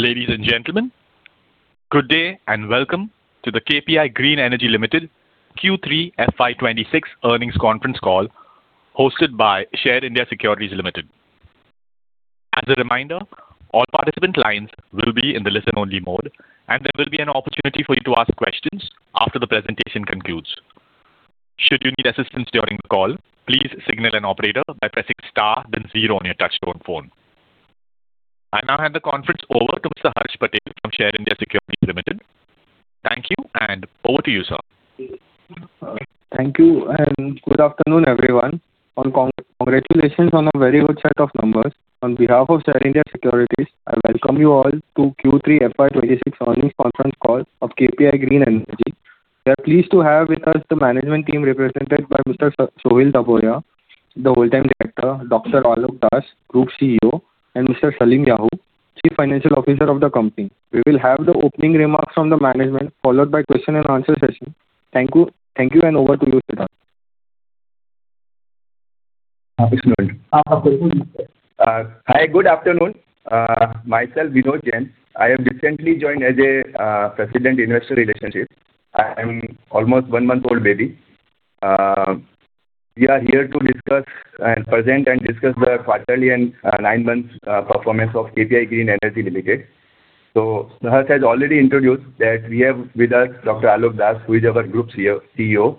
Ladies and gentlemen, good day and welcome to the KPI Green Energy Limited Q3 FY 2026 Earnings Conference Call hosted by Share India Securities Limited. As a reminder, all participant lines will be in the listen-only mode, and there will be an opportunity for you to ask questions after the presentation concludes. Should you need assistance during the call, please signal an operator by pressing star then zero on your touch-tone phone. I now hand the conference over to Mr. Harsh Patel from Share India Securities Limited. Thank you, and over to you, sir. Thank you, and good afternoon, everyone. Congratulations on a very good set of numbers. On behalf of Share India Securities, I welcome you all to Q3 FY 2026 earnings conference call of KPI Green Energy. We are pleased to have with us the management team represented by Mr. Sohil Dabhoya, Whole Time Director, Dr. Alok Das, Group CEO, and Mr. Salim Yahoo, Chief Financial Officer of the company. We will have the opening remarks from the management, followed by a question-and-answer session. Thank you, and over to you, Siddharth. Happy Lohri. Hi, good afternoon. Myself, Vinod Jain, I have recently joined as President of Investor Relations. I am almost one-month-old baby. We are here to discuss and present and discuss the quarterly and nine-month performance of KPI Green Energy Limited. So The host has already introduced that we have with us Dr. Alok Das, who is our Group CEO,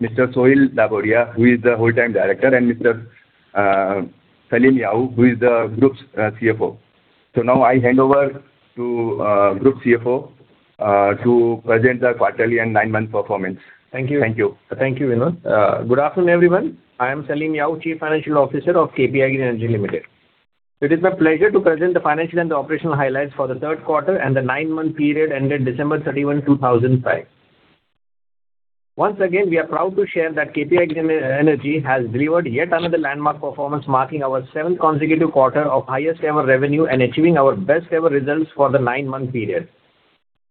Mr. Sohil Dabhoya, who is the Whole Time Director, and Mr. Salim Yahoo, who is the Group CFO. So now I hand over to Group CFO to present the quarterly and nine-month performance. Thank you. Thank you. Thank you, Vinod. Good afternoon, everyone. I am Salim Yahoo, Chief Financial Officer of KPI Green Energy Limited. It is my pleasure to present the financial and operational highlights for the third quarter and the nine-month period ended 31 December 2025. Once again, we are proud to share that KPI Green Energy has delivered yet another landmark performance, marking our seventh consecutive quarter of highest-ever revenue and achieving our best-ever results for the nine-month period.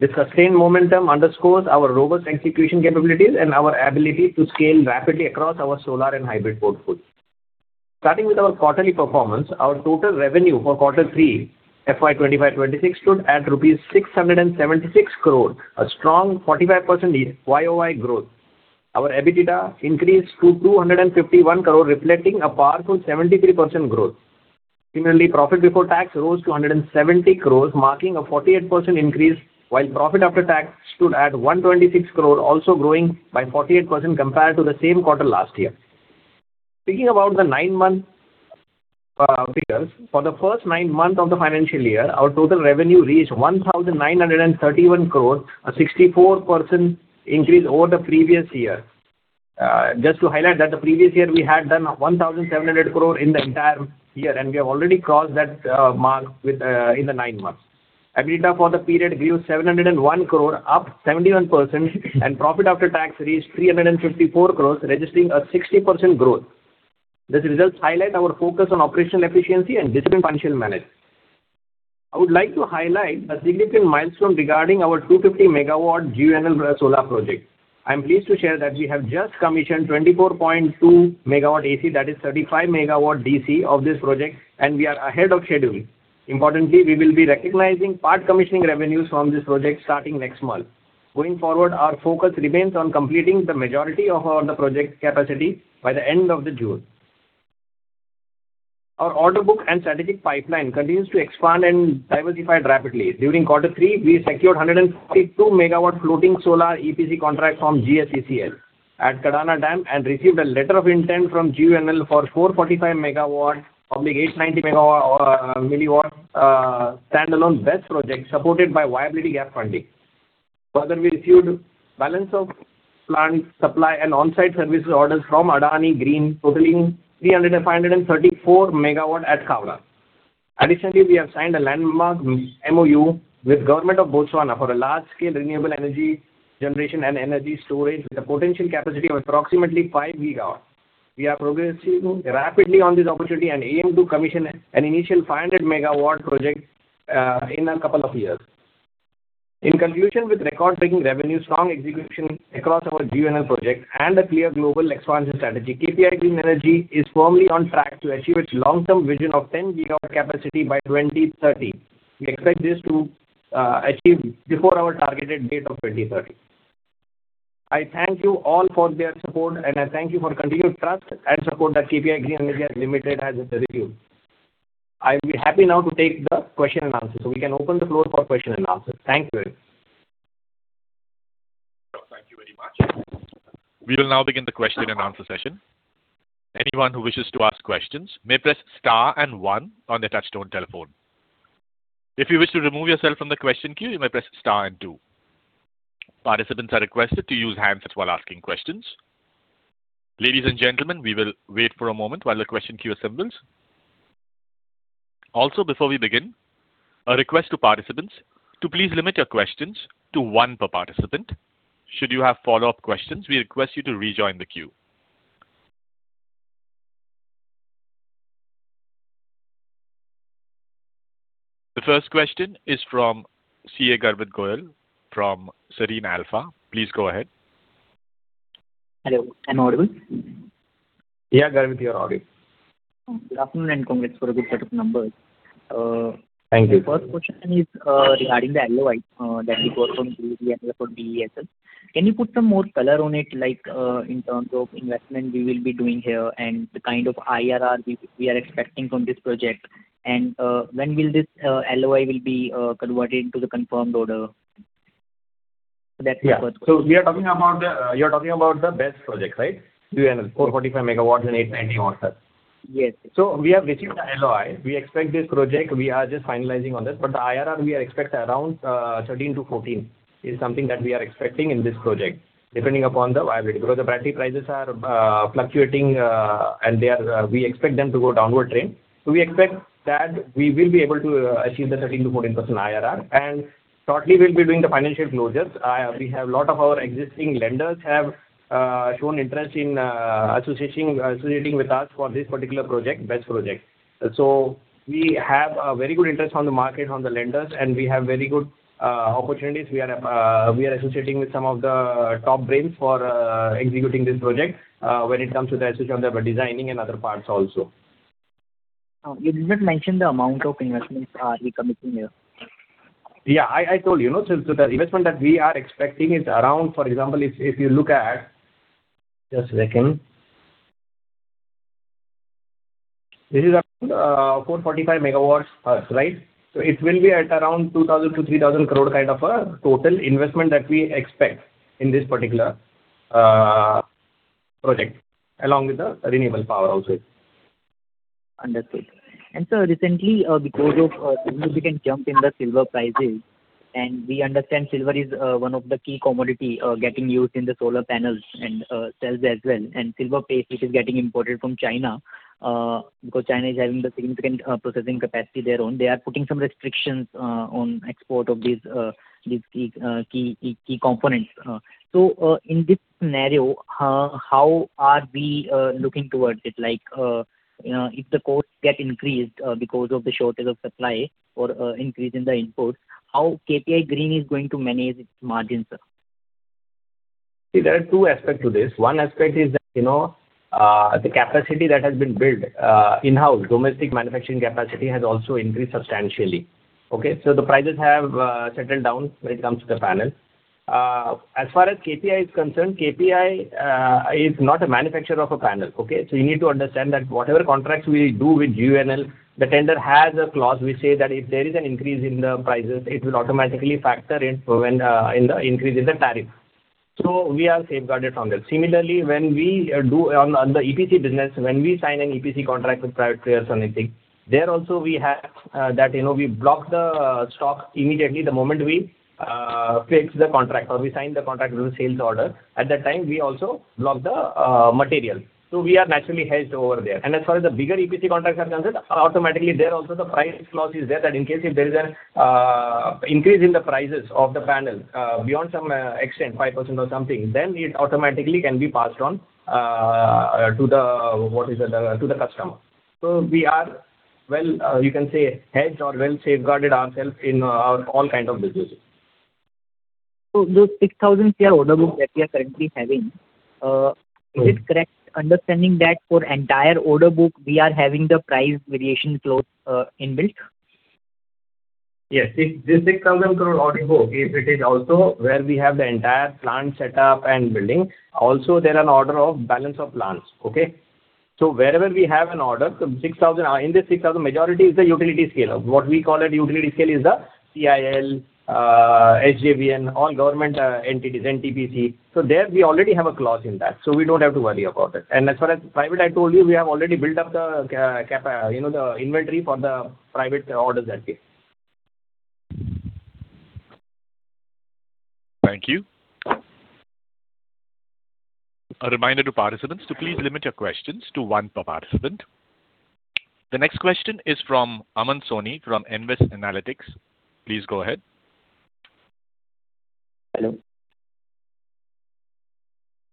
This sustained momentum underscores our robust execution capabilities and our ability to scale rapidly across our solar and hybrid portfolio. Starting with our quarterly performance, our total revenue for quarter three FY 2025-2026 stood at rupees 676 crore, a strong 45% year-over-year growth. Our EBITDA increased to 251 crore, reflecting a powerful 73% growth. Similarly, profit before tax rose to 170 crore, marking a 48% increase, while profit after tax stood at 126 crore, also growing by 48% compared to the same quarter last year. Speaking about the nine-month figures, for the first nine months of the financial year, our total revenue reached 1,931 crore, a 64% increase over the previous year. Just to highlight that the previous year we had done 1,700 crore in the entire year, and we have already crossed that mark in the nine months. EBITDA for the period grew 701 crore, up 71%, and profit after tax reached 354 crore, registering a 60% growth. These results highlight our focus on operational efficiency and disciplined financial management. I would like to highlight a significant milestone regarding our 250-megawatt GUVNL solar project. I'm pleased to share that we have just commissioned 24.2 MW AC, that is 35 MW DC, of this project, and we are ahead of schedule. Importantly, we will be recognizing part commissioning revenues from this project starting next month. Going forward, our focus remains on completing the majority of the project capacity by the end of June. Our order book and strategic pipeline continues to expand and diversify rapidly. During quarter three, we secured 152-MW floating solar EPC contracts from GSECL at Kadana Dam and received a letter of intent from GUVNL for 445-MW, only 890-MW standalone BESS project supported by viability gap funding. Further, we received balance of plant supply and on-site services orders from Adani Green, totaling 334 MW at Chavand. Additionally, we have signed a landmark MOU with the Government of Botswana for a large-scale renewable energy generation and energy storage with a potential capacity of approximately 5 GW. We are progressing rapidly on this opportunity and aim to commission an initial 500-MW project in a couple of years. In conclusion, with record-breaking revenue, strong execution across our GUVNL project, and a clear global expansion strategy, KPI Green Energy is firmly on track to achieve its long-term vision of 10 GW capacity by 2030. We expect this to achieve before our targeted date of 2030. I thank you all for their support, and I thank you for continued trust and support that KPI Green Energy Limited has received. I will be happy now to take the question and answer so we can open the floor for question and answer. Thank you very much. Thank you very much. We will now begin the question and answer session. Anyone who wishes to ask questions may press star and one on their touch-tone telephone. If you wish to remove yourself from the question queue, you may press star and two. Participants are requested to use handsets while asking questions. Ladies and gentlemen, we will wait for a moment while the question queue assembles. Also, before we begin, a request to participants to please limit your questions to one per participant. Should you have follow-up questions, we request you to rejoin the queue. The first question is from CA Garvit Goyal from Serene Alpha. Please go ahead. Hello, I'm audible? Yeah, Garvit, you're audible. Good afternoon and congrats for a good set of numbers. Thank you. The first question is regarding the LOI that we performed through the ML for BESS. Can you put some more color on it, like in terms of investment we will be doing here and the kind of IRR we are expecting from this project? And when will this LOI be converted into the confirmed order? That's the first question. So we are talking about the BESS project, right? 445 MW in any order. Yes. So we have received the LOI. We expect this project, we are just finalizing on this, but the IRR we expect around 13-14 is something that we are expecting in this project, depending upon the viability because the battery prices are fluctuating and we expect them to go downward trend. So we expect that we will be able to achieve the 13%-14% IRR, and shortly we'll be doing the financial closures. We have a lot of our existing lenders have shown interest in associating with us for this particular project, BESS project. So we have a very good interest on the market, on the lenders, and we have very good opportunities. We are associating with some of the top brands for executing this project when it comes to the designing and other parts also. You didn't mention the amount of investment are we committing here? Yeah, I told you, so the investment that we are expecting is around, for example, if you look at just a second, this is 445 MW, right? So it will be at around 2,000 crore-3,000 crore kind of a total investment that we expect in this particular project along with the renewable power also. Understood. Sir, recently, because of significant jump in the silver prices, and we understand silver is one of the key commodities getting used in the solar panels and cells as well, and silver, which is getting imported from China, because China is having the significant processing capacity thereon, they are putting some restrictions on export of these key components. So in this scenario, how are we looking towards it? Like if the costs get increased because of the shortage of supply or increase in the input, how KPI Green is going to manage its margins, sir? See, there are two aspects to this. One aspect is that the capacity that has been built in-house, domestic manufacturing capacity has also increased substantially. Okay, so the prices have settled down when it comes to the panels. As far as KPI is concerned, KPI is not a manufacturer of a panel. Okay, so you need to understand that whatever contracts we do with GUVNL, the tender has a clause which says that if there is an increase in the prices, it will automatically factor in the increase in the tariff. So we are safeguarded from that. Similarly, when we do on the EPC business, when we sign an EPC contract with private players or anything, there also we have that we block the stock immediately the moment we click the contract or we sign the contract with the sales order. At that time, we also block the material. So we are naturally hedged over there. And as far as the bigger EPC contracts are concerned, automatically there also the price clause is there that in case if there is an increase in the prices of the panel beyond some extent, 5% or something, then it automatically can be passed on to the customer. So we are well, you can say hedged or well safeguarded ourselves in all kinds of business. Those 6,000-year order book that we are currently having, is it correct understanding that for entire order book, we are having the price variation clause inbuilt? Yes, this 6,000 crore order book, if it is also where we have the entire plant setup and building, also there are an order of balance of plant. Okay, so wherever we have an order, in the 6,000 crore, majority is the utility scale. What we call it utility scale is the CIL, SJVN, all government entities, NTPC. So there we already have a clause in that. So we don't have to worry about it. And as far as private, I told you we have already built up the inventory for the private orders that we. Thank you. A reminder to participants to please limit your questions to one per participant. The next question is from Aman Soni from NVEST Analytics. Please go ahead.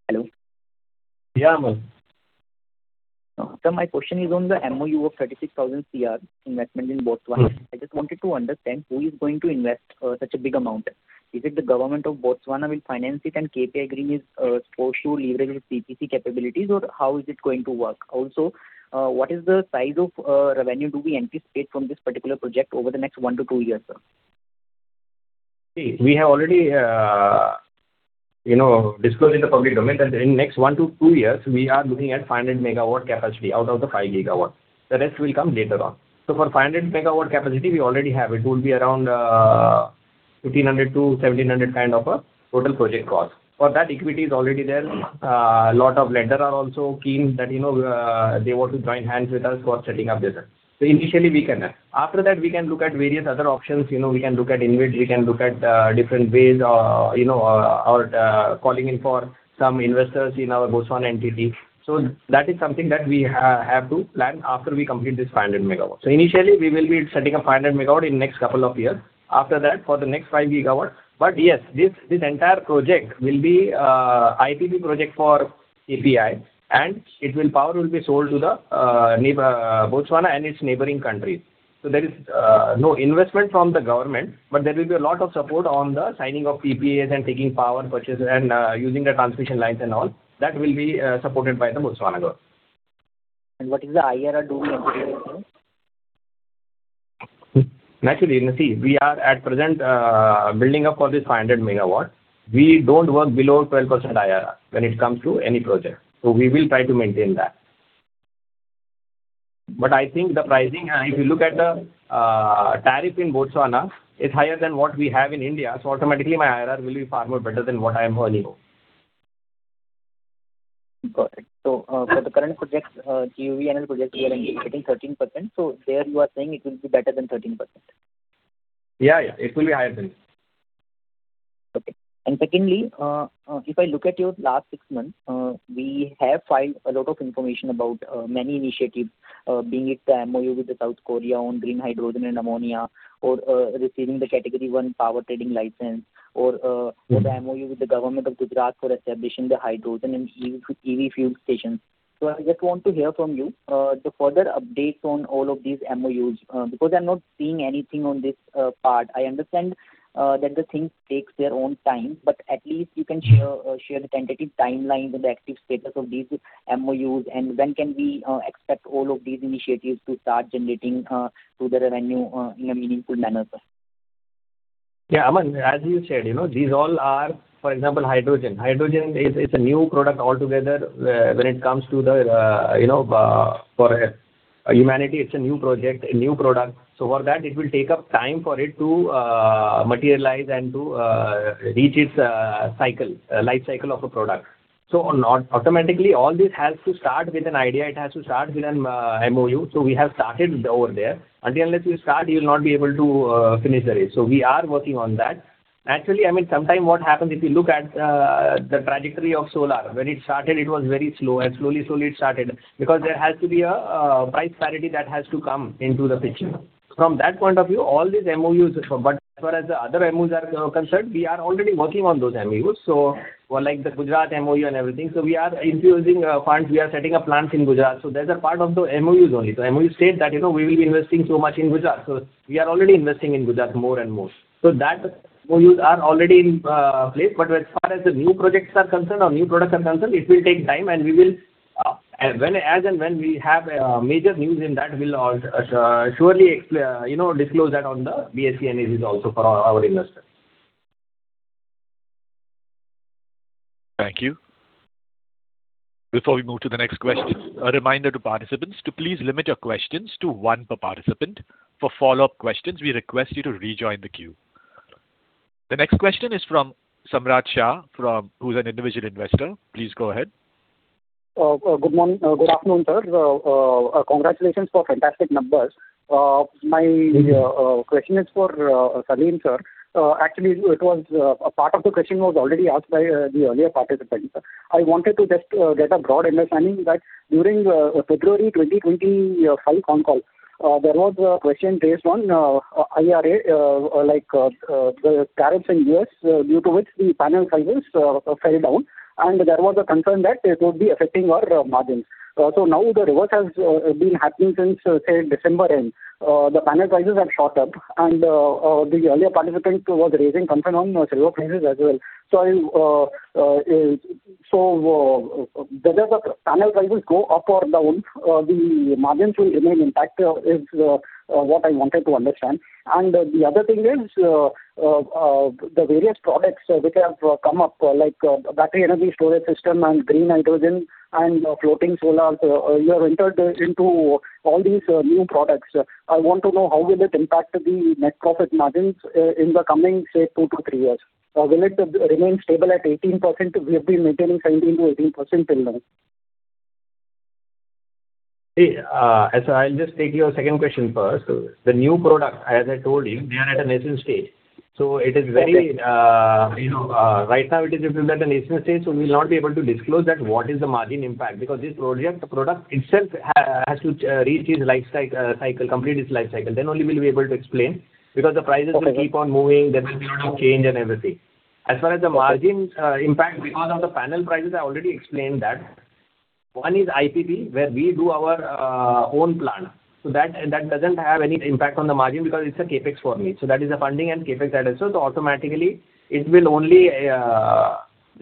Hello. Yeah, Aman. Sir, my question is on the MOU of 36,000 crore investment in Botswana. I just wanted to understand who is going to invest such a big amount? Is it the government of Botswana will finance it and KPI Green is for sure leveraged CPP capabilities, or how is it going to work? Also, what is the size of revenue do we anticipate from this particular project over the next 1-2 years, sir? See, we have already disclosed in the public domain that in the next 1-2 years, we are looking at 500 MW capacity out of the 5 GW. The rest will come later on. So for 500 MW capacity, we already have it. It will be around 1,500-1,700 kind of a total project cost. For that, equity is already there. A lot of lenders are also keen that they want to join hands with us for setting up this. So initially, we can. After that, we can look at various other options. We can look at in which we can look at different ways or calling in for some investors in our Botswana entity. So that is something that we have to plan after we complete this 500 MW. So initially, we will be setting up 500 MW in the next couple of years. After that, for the next 5 GW. But yes, this entire project will be an IPP project for KPI, and its power will be sold to Botswana and its neighboring countries. So there is no investment from the government, but there will be a lot of support on the signing of PPAs and taking power purchase and using the transmission lines and all that will be supported by the Botswana government. What is the IRR? Do we have to? Actually, see, we are at present building up for this 500 MW. We don't work below 12% IRR when it comes to any project. So we will try to maintain that. But I think the pricing, if you look at the tariff in Botswana, it's higher than what we have in India. So automatically, my IRR will be far more better than what I am earning. Got it. So for the current project, GUVNL project here and getting 13%, so there you are saying it will be better than 13%? Yeah, yeah, it will be higher than it. Okay. Secondly, if I look at your last six months, we have filed a lot of information about many initiatives, be it the MOU with South Korea on green hydrogen and ammonia, or receiving the category one power trading license, or the MOU with the government of Gujarat for establishing the hydrogen and EV fuel stations. So I just want to hear from you the further updates on all of these MOUs because I'm not seeing anything on this part. I understand that things take their own time, but at least you can share the tentative timeline of the active status of these MOUs and when can we expect all of these initiatives to start generating further revenue in a meaningful manner, sir? Yeah, Aman, as you said, these all are, for example, hydrogen. Hydrogen is a new product altogether when it comes to the humanity, it's a new project, new product. So for that, it will take up time for it to materialize and to reach its cycle, life cycle of a product. So automatically, all this has to start with an idea. It has to start with an MOU. So we have started over there. Until unless you start, you will not be able to finish the race. So we are working on that. Actually, I mean, sometimes what happens if you look at the trajectory of solar, when it started, it was very slow and slowly, slowly it started because there has to be a price parity that has to come into the fix. From that point of view, all these MOUs, but as far as the other MOUs are concerned, we are already working on those MOUs. So like the Gujarat MOU and everything. So we are introducing funds. We are setting up plants in Gujarat. So those are part of the MOUs only. The MOUs state that we will be investing so much in Gujarat. So we are already investing in Gujarat more and more. So that MOUs are already in place. But as far as the new projects are concerned or new products are concerned, it will take time and we will, as and when we have major news in that, we'll surely disclose that on the BSE and NSE also for our investors. Thank you. Before we move to the next question, a reminder to participants to please limit your questions to one per participant. For follow-up questions, we request you to rejoin the queue. The next question is from Samrat Shah, who's an individual investor. Please go ahead. Good afternoon, sir. Congratulations for fantastic numbers. My question is for Salim, sir. Actually, it was a part of the question was already asked by the earlier participants. I wanted to just get a broad understanding that during February 2025 on call, there was a question based on IRA, like the tariffs and years due to which the panel sizes fell down, and there was a concern that it would be affecting our margins. So now the reverse has been happening since, say, December end. The panel sizes had caught up, and the earlier participant was raising concern on the silver prices as well. So whether the panel prices go up or down, the margins will remain intact is what I wanted to understand. The other thing is the various products which have come up, like battery energy storage system and green hydrogen and floating solar, you have entered into all these new products. I want to know how will this impact the net profit margins in the coming, say, 2 to 3 years? Will it remain stable at 18%? We have been maintaining 17%-18% till now. See, so I'll just take your second question first. The new product, as I told you, they are at a nascent stage. So it is very, right now it is at a nascent stage, so we will not be able to disclose that what is the margin impact because this project product itself has to reach its life cycle, complete its life cycle. Then only we will be able to explain because the prices will keep on moving, there will be a lot of change and everything. As far as the margin impact on the panel prices, I already explained that. One is IPP, where we do our own plant. So that doesn't have any impact on the margin because it's a capex for me. So that is the funding and CapEx that also, so automatically it will only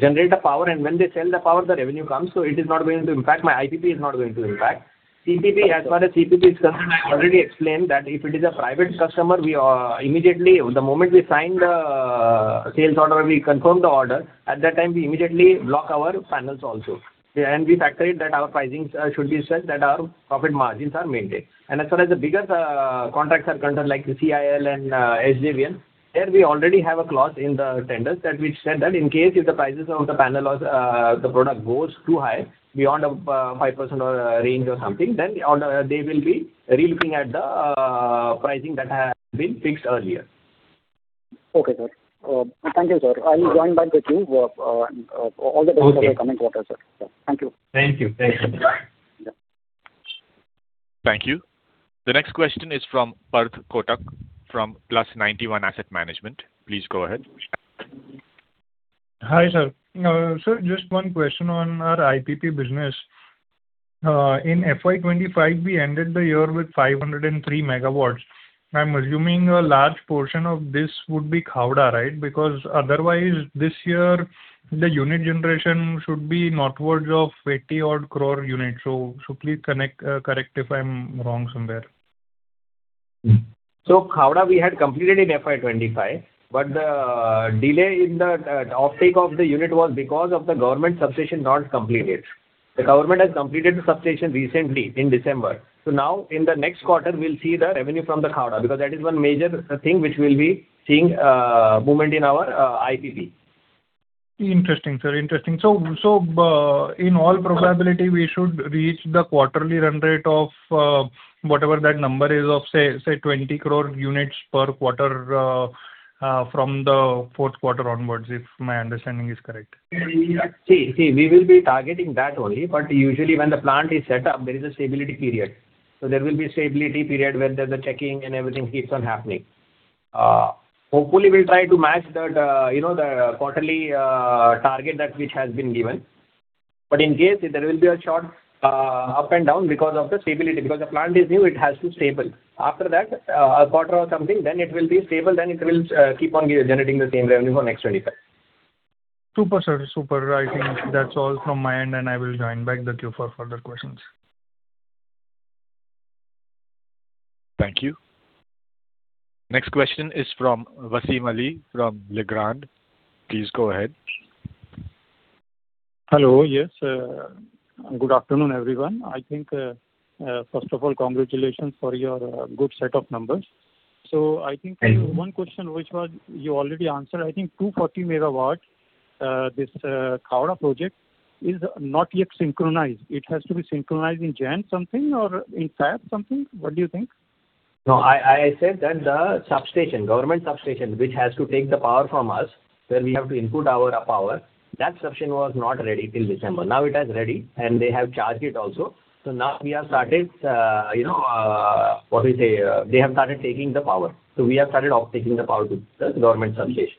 generate the power, and when they sell the power, the revenue comes. So it is not going to impact. My IPP is not going to impact. CPP, as far as CPP is concerned, I already explained that if it is a private customer, we immediately, the moment we sign the sales order, we confirm the order. At that time, we immediately lock our panels also. And we factor in that our pricings should be such that our profit margins are maintained. As far as the bigger contracts are concerned, like CIL and SJVN, there we already have a clause in the tenders that we said that in case if the price of the panel or the product goes too high beyond a 5% range or something, then they will be relooking at the pricing that has been fixed earlier. Okay, sir. Thank you, sir. I will join back with you. All the comments are coming through, sir. Thank you. Thank you. Thank you. Thank you. The next question is from Parth Kotak from Plus91 Asset Management. Please go ahead. Hi, sir. Sir, just one question on our IPP business. In FY 2025, we ended the year with 503 MW. I'm assuming a large portion of this would be Khavda, right? Because otherwise, this year, the unit generation should be northwards of 80-odd crore units. So please correct if I'm wrong somewhere. So Khavda, we had completed in FY 2025, but the delay in the offtake of the unit was because of the government subsidy not completed. The government has completed the subsidy recently in December. So now in the next quarter, we'll see the revenue from the Khavda because that is one major thing which we'll be seeing movement in our IPP. Interesting, sir. Interesting. So in all probability, we should reach the quarterly run rate of whatever that number is of, say, 20 crore units per quarter from the fourth quarter onwards, if my understanding is correct. See, we will be targeting that only, but usually when the plant is set up, there is a stability period. So there will be a stability period when there's a checking and everything keeps on happening. Hopefully, we'll try to match the quarterly target that which has been given. But in case there will be a short up and down because of the stability. Because the plant is new, it has to stable. After that, a quarter or something, then it will be stable, then it will keep on generating the same revenue for next 25. Super, sir. Super. I think that's all from my end, and I will join back the queue for further questions. Thank you. Next question is from Vasim Ali from Lagrange Point Advisors. Please go ahead. Hello. Yes, good afternoon, everyone. I think, first of all, congratulations for your good set of numbers. So I think one question which you already answered, I think 240 MW, this Khavda project is not yet synchronized. It has to be synchronized in January something or in February something? What do you think? No, I said that the substation, government substation, which has to take the power from us, where we have to input our power, that substation was not ready till December. Now it has ready, and they have charged it also. So now we have started, what do you say, they have started taking the power. So we have started offtaking the power to the government substation.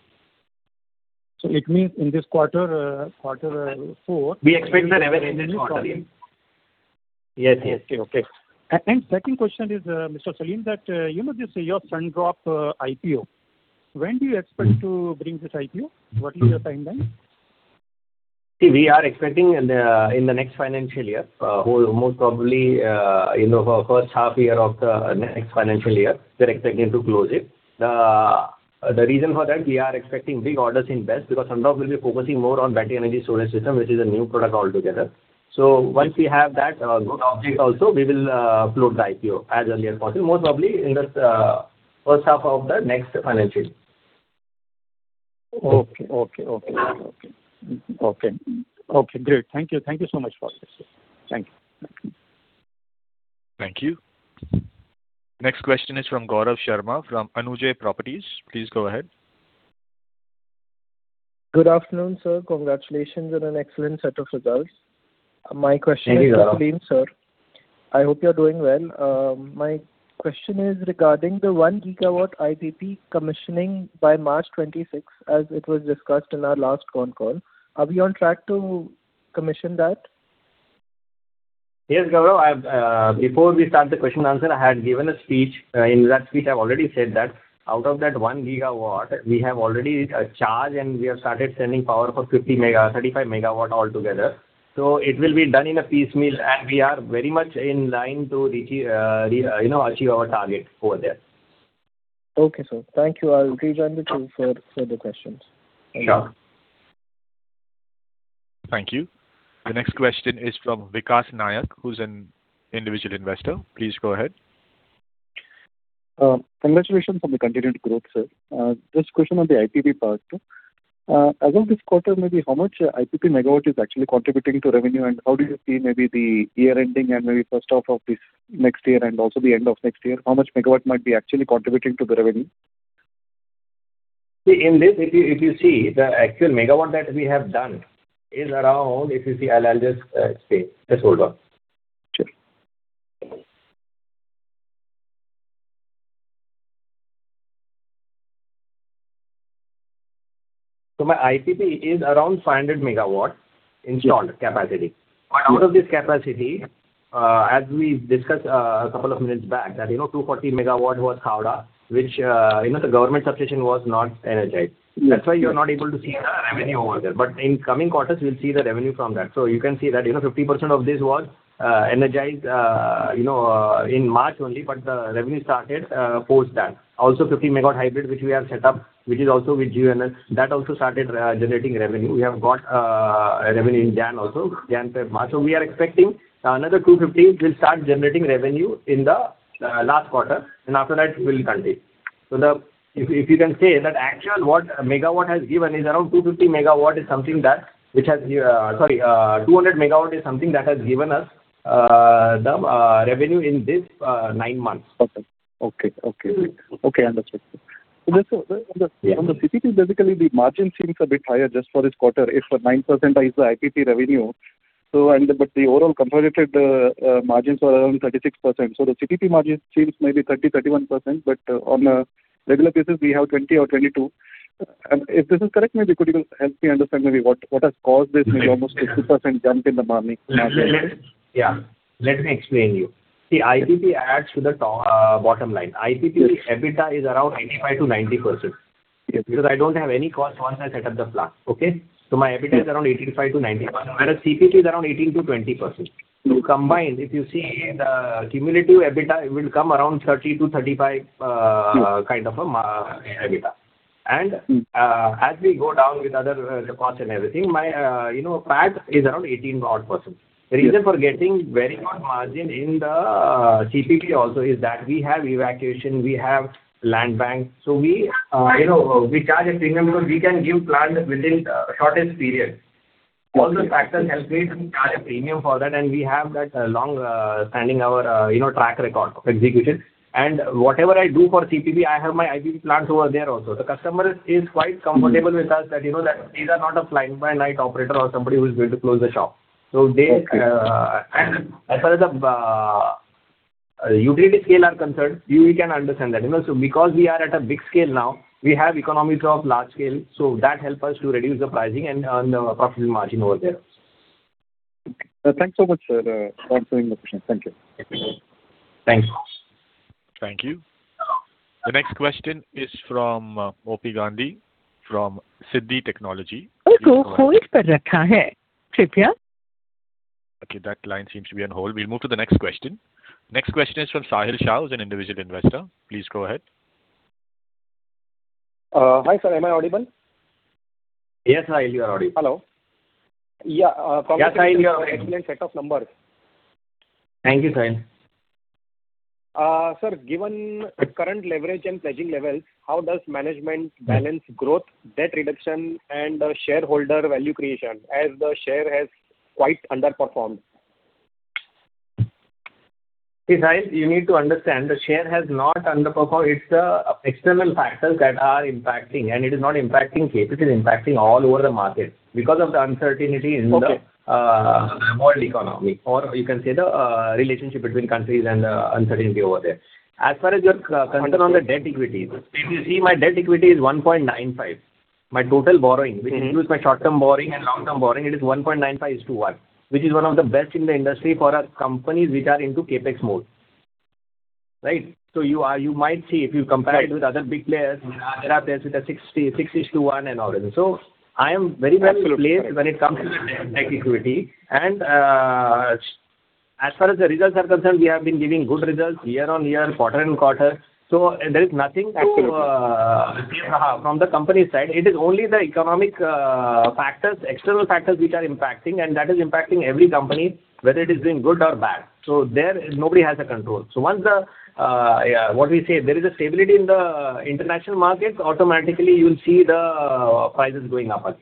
It means in this quarter, quarter four. We expect the revenue in this quarter. Yes, yes. Okay, okay. Second question is, Mr. Salim, you know this is your Sun Drops IPO. When do you expect to bring this IPO? What is your timeline? See, we are expecting in the next financial year, most probably for the first half year of the next financial year, we're expecting to close it. The reason for that, we are expecting big orders in BESS because some of us will be focusing more on battery energy storage system, which is a new product altogether. So once we have that good order also, we will float the IPO as early as possible, most probably in the first half of the next financial year. Okay, okay, okay. Okay, okay, okay. Great. Thank you. Thank you so much for this. Thank you. Thank you. Next question is from Gaurav Sharma from Anujay Properties. Please go ahead. Good afternoon, sir. Congratulations on an excellent set of results. My question is, Salim, sir. I hope you're doing well. My question is regarding the 1 gigawatt IPP commissioning by March 26, as it was discussed in our last phone call. Are we on track to commission that? Yes, Gaurav. Before we start the question and answer, I had given a speech. In that speech, I've already said that out of that 1 GW, we have already charged and we have started sending power for 35 MW altogether. So it will be done in a piecemeal, and we are very much in line to achieve our target over there. Okay, sir. Thank you. I'll join with you for the questions. Sure. Thank you. The next question is from Vikas Nayak, who's an individual investor. Please go ahead. Congratulations on the continued growth, sir. Just a question on the IPP part. As of this quarter, maybe how much IPP megawatt is actually contributing to revenue, and how do you see maybe the year ending and maybe first half of this next year and also the end of next year, how much megawatt might be actually contributing to the revenue? See, in this, if you see the actual megawatt that we have done is around, if you see I'll just say, let's hold on. So my IPP is around 500 MW installed capacity. Out of this capacity, as we discussed a couple of minutes back, that 240 MW was Khavda, which the government subsidy was not energized. That's why you're not able to see the revenue over there. But in coming quarters, we'll see the revenue from that. So you can see that 50% of this was energized in March only, but the revenue started post that. Also, 50 MW hybrid, which we have set up, which is also with GUVNL, that also started generating revenue. We have got revenue in January also, January per month. So we are expecting another 250 will start generating revenue in the last quarter, and after that, we'll continue. If you can say that actual what megawatt has given is around 250 MW, is something that, which has, sorry, 200 MW is something that has given us the revenue in this nine months. Okay, understood. So on the CPP, basically the margin seems a bit higher just for this quarter. If for 9% is the IPP revenue, but the overall comparative margins are around 36%. So the CPP margin seems maybe 30%-31%, but on a regular basis, we have 20 or 22. If this is correct, maybe could you help me understand maybe what has caused this maybe almost 50% jump in the margin? Yeah, let me explain you. See, IPP adds to the bottom line. IPP EBITDA is around 85%-90%. Because I don't have any cost once I set up the plant. Okay? So my EBITDA is around 85%-90%, and the CPP is around 18%-20%. So combined, if you see the cumulative EBITDA, it will come around 30-35 kind of EBITDA. And as we go down with other costs and everything, my PAT is around 18-odd%. The reason for getting very high margin in the CPP also is that we have evacuation, we have land bank. So we charge a premium because we can give plants within the shortest period. All those factors help us charge a premium for that, and we have that long-standing track record of execution. And whatever I do for CPP, I have my IPP plants over there also. The customer is quite comfortable with us that these are not a fly-by-night operator or somebody who's going to close the shop. So as far as the utility scale are concerned, we can understand that. So because we are at a big scale now, we have economies of large scale. So that helps us to reduce the pricing and the margin over there. Thanks so much, sir, for answering the question. Thank you. Thanks. Thank you. The next question is from O.P. Gandhi from Siddhi Technologies. Oh, who is the recorder? कृपया. Okay, that line seems to be on hold. We'll move to the next question. Next question is from Sahil Shah, who's an individual investor. Please go ahead. Hi, sir. Am I audible? Yes, Sahil, you are audible. Hello. Yes, Sahil, you are audible. Excellent set of numbers. Thank you, Sahil. Sir, given current leverage and pledging levels, how does management balance growth, debt reduction, and the shareholder value creation as the share has quite underperformed? See, Sahil, you need to understand the share has not underperformed. It's the external factors that are impacting, and it is not impacting KPI. It is impacting all over the market because of the uncertainty in the world economy, or you can say the relationship between countries and the uncertainty over there. As far as your concern on the debt equity, if you see my debt equity is 1.95. My total borrowing, which includes my short-term borrowing and long-term borrowing, it is 1.95:1, which is one of the best in the industry for our companies which are into EPC mode. Right? So you might see if you compare it with other big players, there are players with a 6:1 and all. So I am very well placed when it comes to debt equity. As far as the results are concerned, we have been giving good results year-over-year, quarter-over-quarter. There is nothing from the company side. It is only the economic factors, external factors which are impacting, and that is impacting every company, whether it is doing good or bad. There, nobody has a control. Once, what do you say, there is a stability in the international markets, automatically you'll see the prices going up.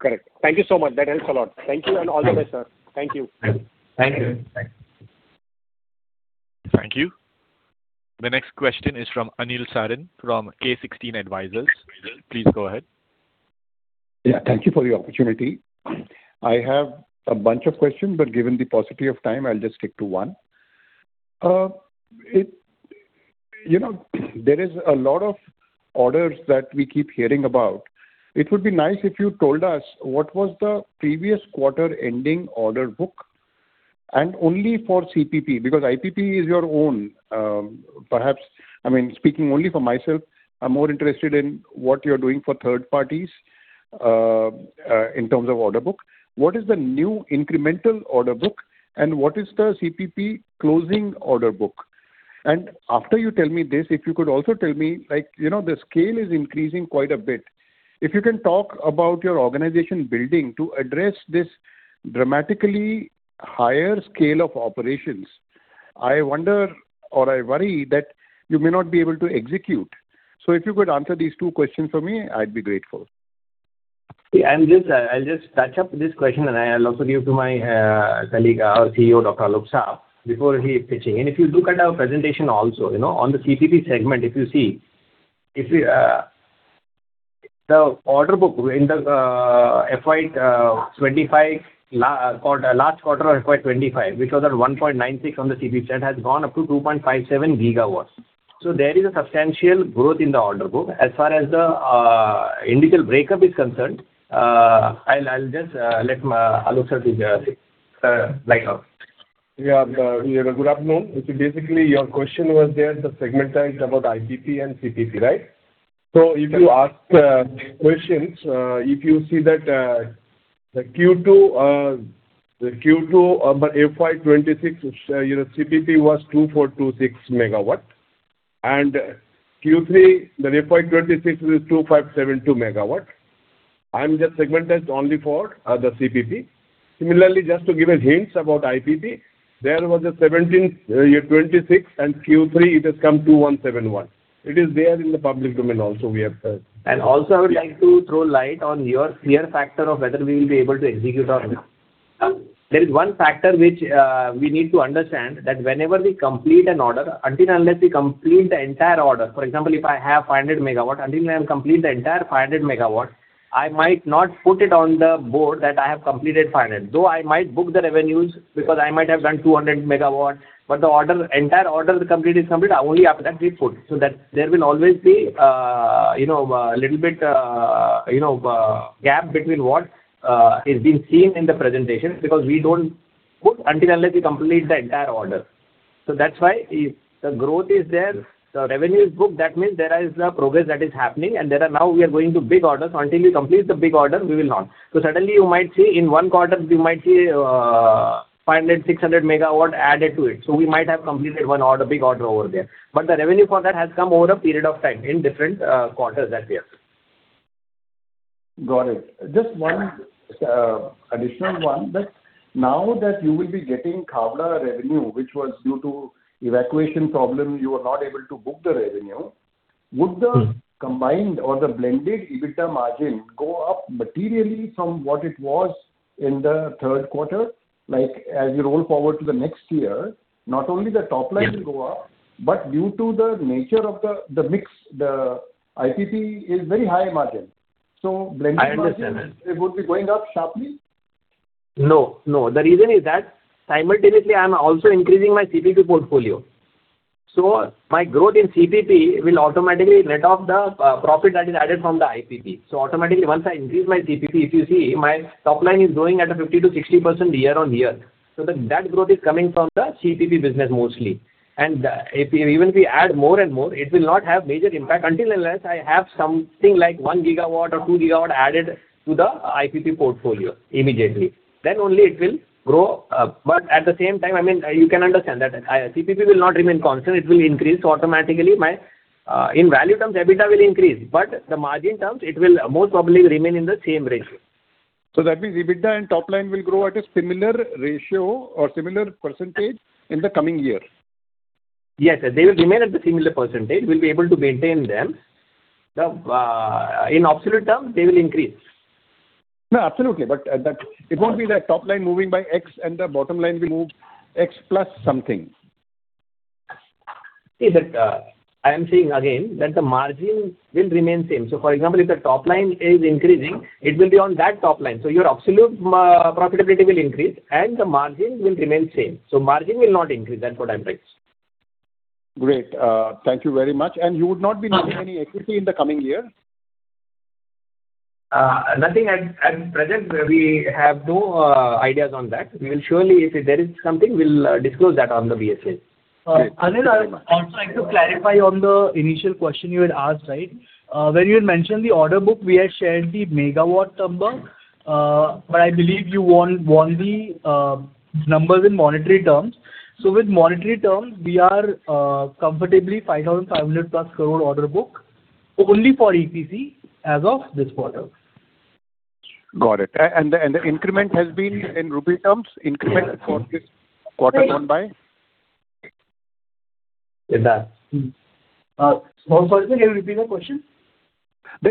Correct. Thank you so much. That helps a lot. Thank you and all the best, sir. Thank you. Thank you. Thank you. The next question is from Anil Saran from K16 Advisors. Please go ahead. Yeah, thank you for the opportunity. I have a bunch of questions, but given the paucity of time, I'll just stick to one. There is a lot of orders that we keep hearing about. It would be nice if you told us what was the previous quarter ending order book and only for CPP because IPP is your own. Perhaps, I mean, speaking only for myself, I'm more interested in what you're doing for third parties in terms of order book. What is the new incremental order book, and what is the CPP closing order book? And after you tell me this, if you could also tell me, the scale is increasing quite a bit. If you can talk about your organization building to address this dramatically higher scale of operations, I wonder or I worry that you may not be able to execute. If you could answer these two questions for me, I'd be grateful. See, I'll just touch up this question, and I'll also give to my colleague, our CEO, Dr. Alok Das, before he is pitching. If you look at our presentation also, on the CPP segment, if you see, the order book in the FY 2025 or last quarter of FY 2025, which was at 1.96 on the CPP, that has gone up to 2.57 gigawatts. There is a substantial growth in the order book. As far as the individual breakup is concerned, I'll just let Alok Das take the floor. Yeah, good afternoon. Basically, your question was there, the segment is about IPP and CPP, right? So if you ask questions, if you see that the Q2, the Q2 FY 2026, CPP was 2,426 MW, and Q3, the FY 2026 is 2,572 MW. I'm just segmented only for the CPP. Similarly, just to give a hint about IPP, there was a 1,726, and Q3, it has come 2,171. It is there in the public domain also, we have heard. Also, I would like to throw light on your fear factor of whether we will be able to execute or not. There is one factor which we need to understand that whenever we complete an order, until unless we complete the entire order, for example, if I have 500 MW, until I have completed the entire 500 MW, I might not put it on the board that I have completed 500. Though I might book the revenues because I might have done 200 MW, but the entire order complete is complete, only after that we put. So that there will always be a little bit gap between what is being seen in the presentation because we don't put until unless we complete the entire order. So that's why the growth is there. The revenue is booked. That means there is the progress that is happening, and there are now we are going to big orders. Until you complete the big order, we will not. So suddenly you might see in one quarter, you might see 500-600 megawatts added to it. So we might have completed one order, big order over there. But the revenue for that has come over a period of time in different quarters that we have. Got it. Just one additional one. Now that you will be getting Khavda revenue, which was due to evacuation problem, you were not able to book the revenue. Would the combined or the blended EBITDA margin go up materially from what it was in the third quarter? As you roll forward to the next year, not only the top line will go up, but due to the nature of the mix, the IPP is very high margin. So blended revenue, it would be going up sharply? No, no. The reason is that simultaneously, I'm also increasing my CPP portfolio. So my growth in CPP will automatically net off the profit that is added from the IPP. So automatically, once I increase my CPP, if you see, my top line is growing at a 50%-60% year-on-year. So that growth is coming from the CPP business mostly. And even if we add more and more, it will not have major impact until unless I have something like 1 gigawatt or 2 gigawatt added to the IPP portfolio immediately. Then only it will grow. But at the same time, I mean, you can understand that CPP will not remain constant. It will increase automatically. In value terms, EBITDA will increase, but the margin terms, it will most probably remain in the same ratio. That means EBITDA and top line will grow at a similar ratio or similar percentage in the coming year? Yes, they will remain at the similar percentage. We'll be able to maintain them. In absolute terms, they will increase. No, absolutely. But it won't be that top line moving by X and the bottom line will move X plus something. See, sir, I am saying again that the margin will remain same. For example, if the top line is increasing, it will be on that top line. Your absolute profitability will increase and the margin will remain same. Margin will not increase. That's what I'm saying. Great. Thank you very much. You would not be needing any equity in the coming year? Nothing. At present, we have no ideas on that. Surely, if there is something, we'll disclose that on the BSA. Anil, I also like to clarify on the initial question you had asked, right? When you had mentioned the order book, we had shared the megawatt number, but I believe you won't want the numbers in monetary terms. So with monetary terms, we are comfortably 5,500+ crore order book only for EPC as of this quarter. Got it. And the increment has been in rupee terms? Increment for this quarter done by? In the. Sorry, can you repeat the question? The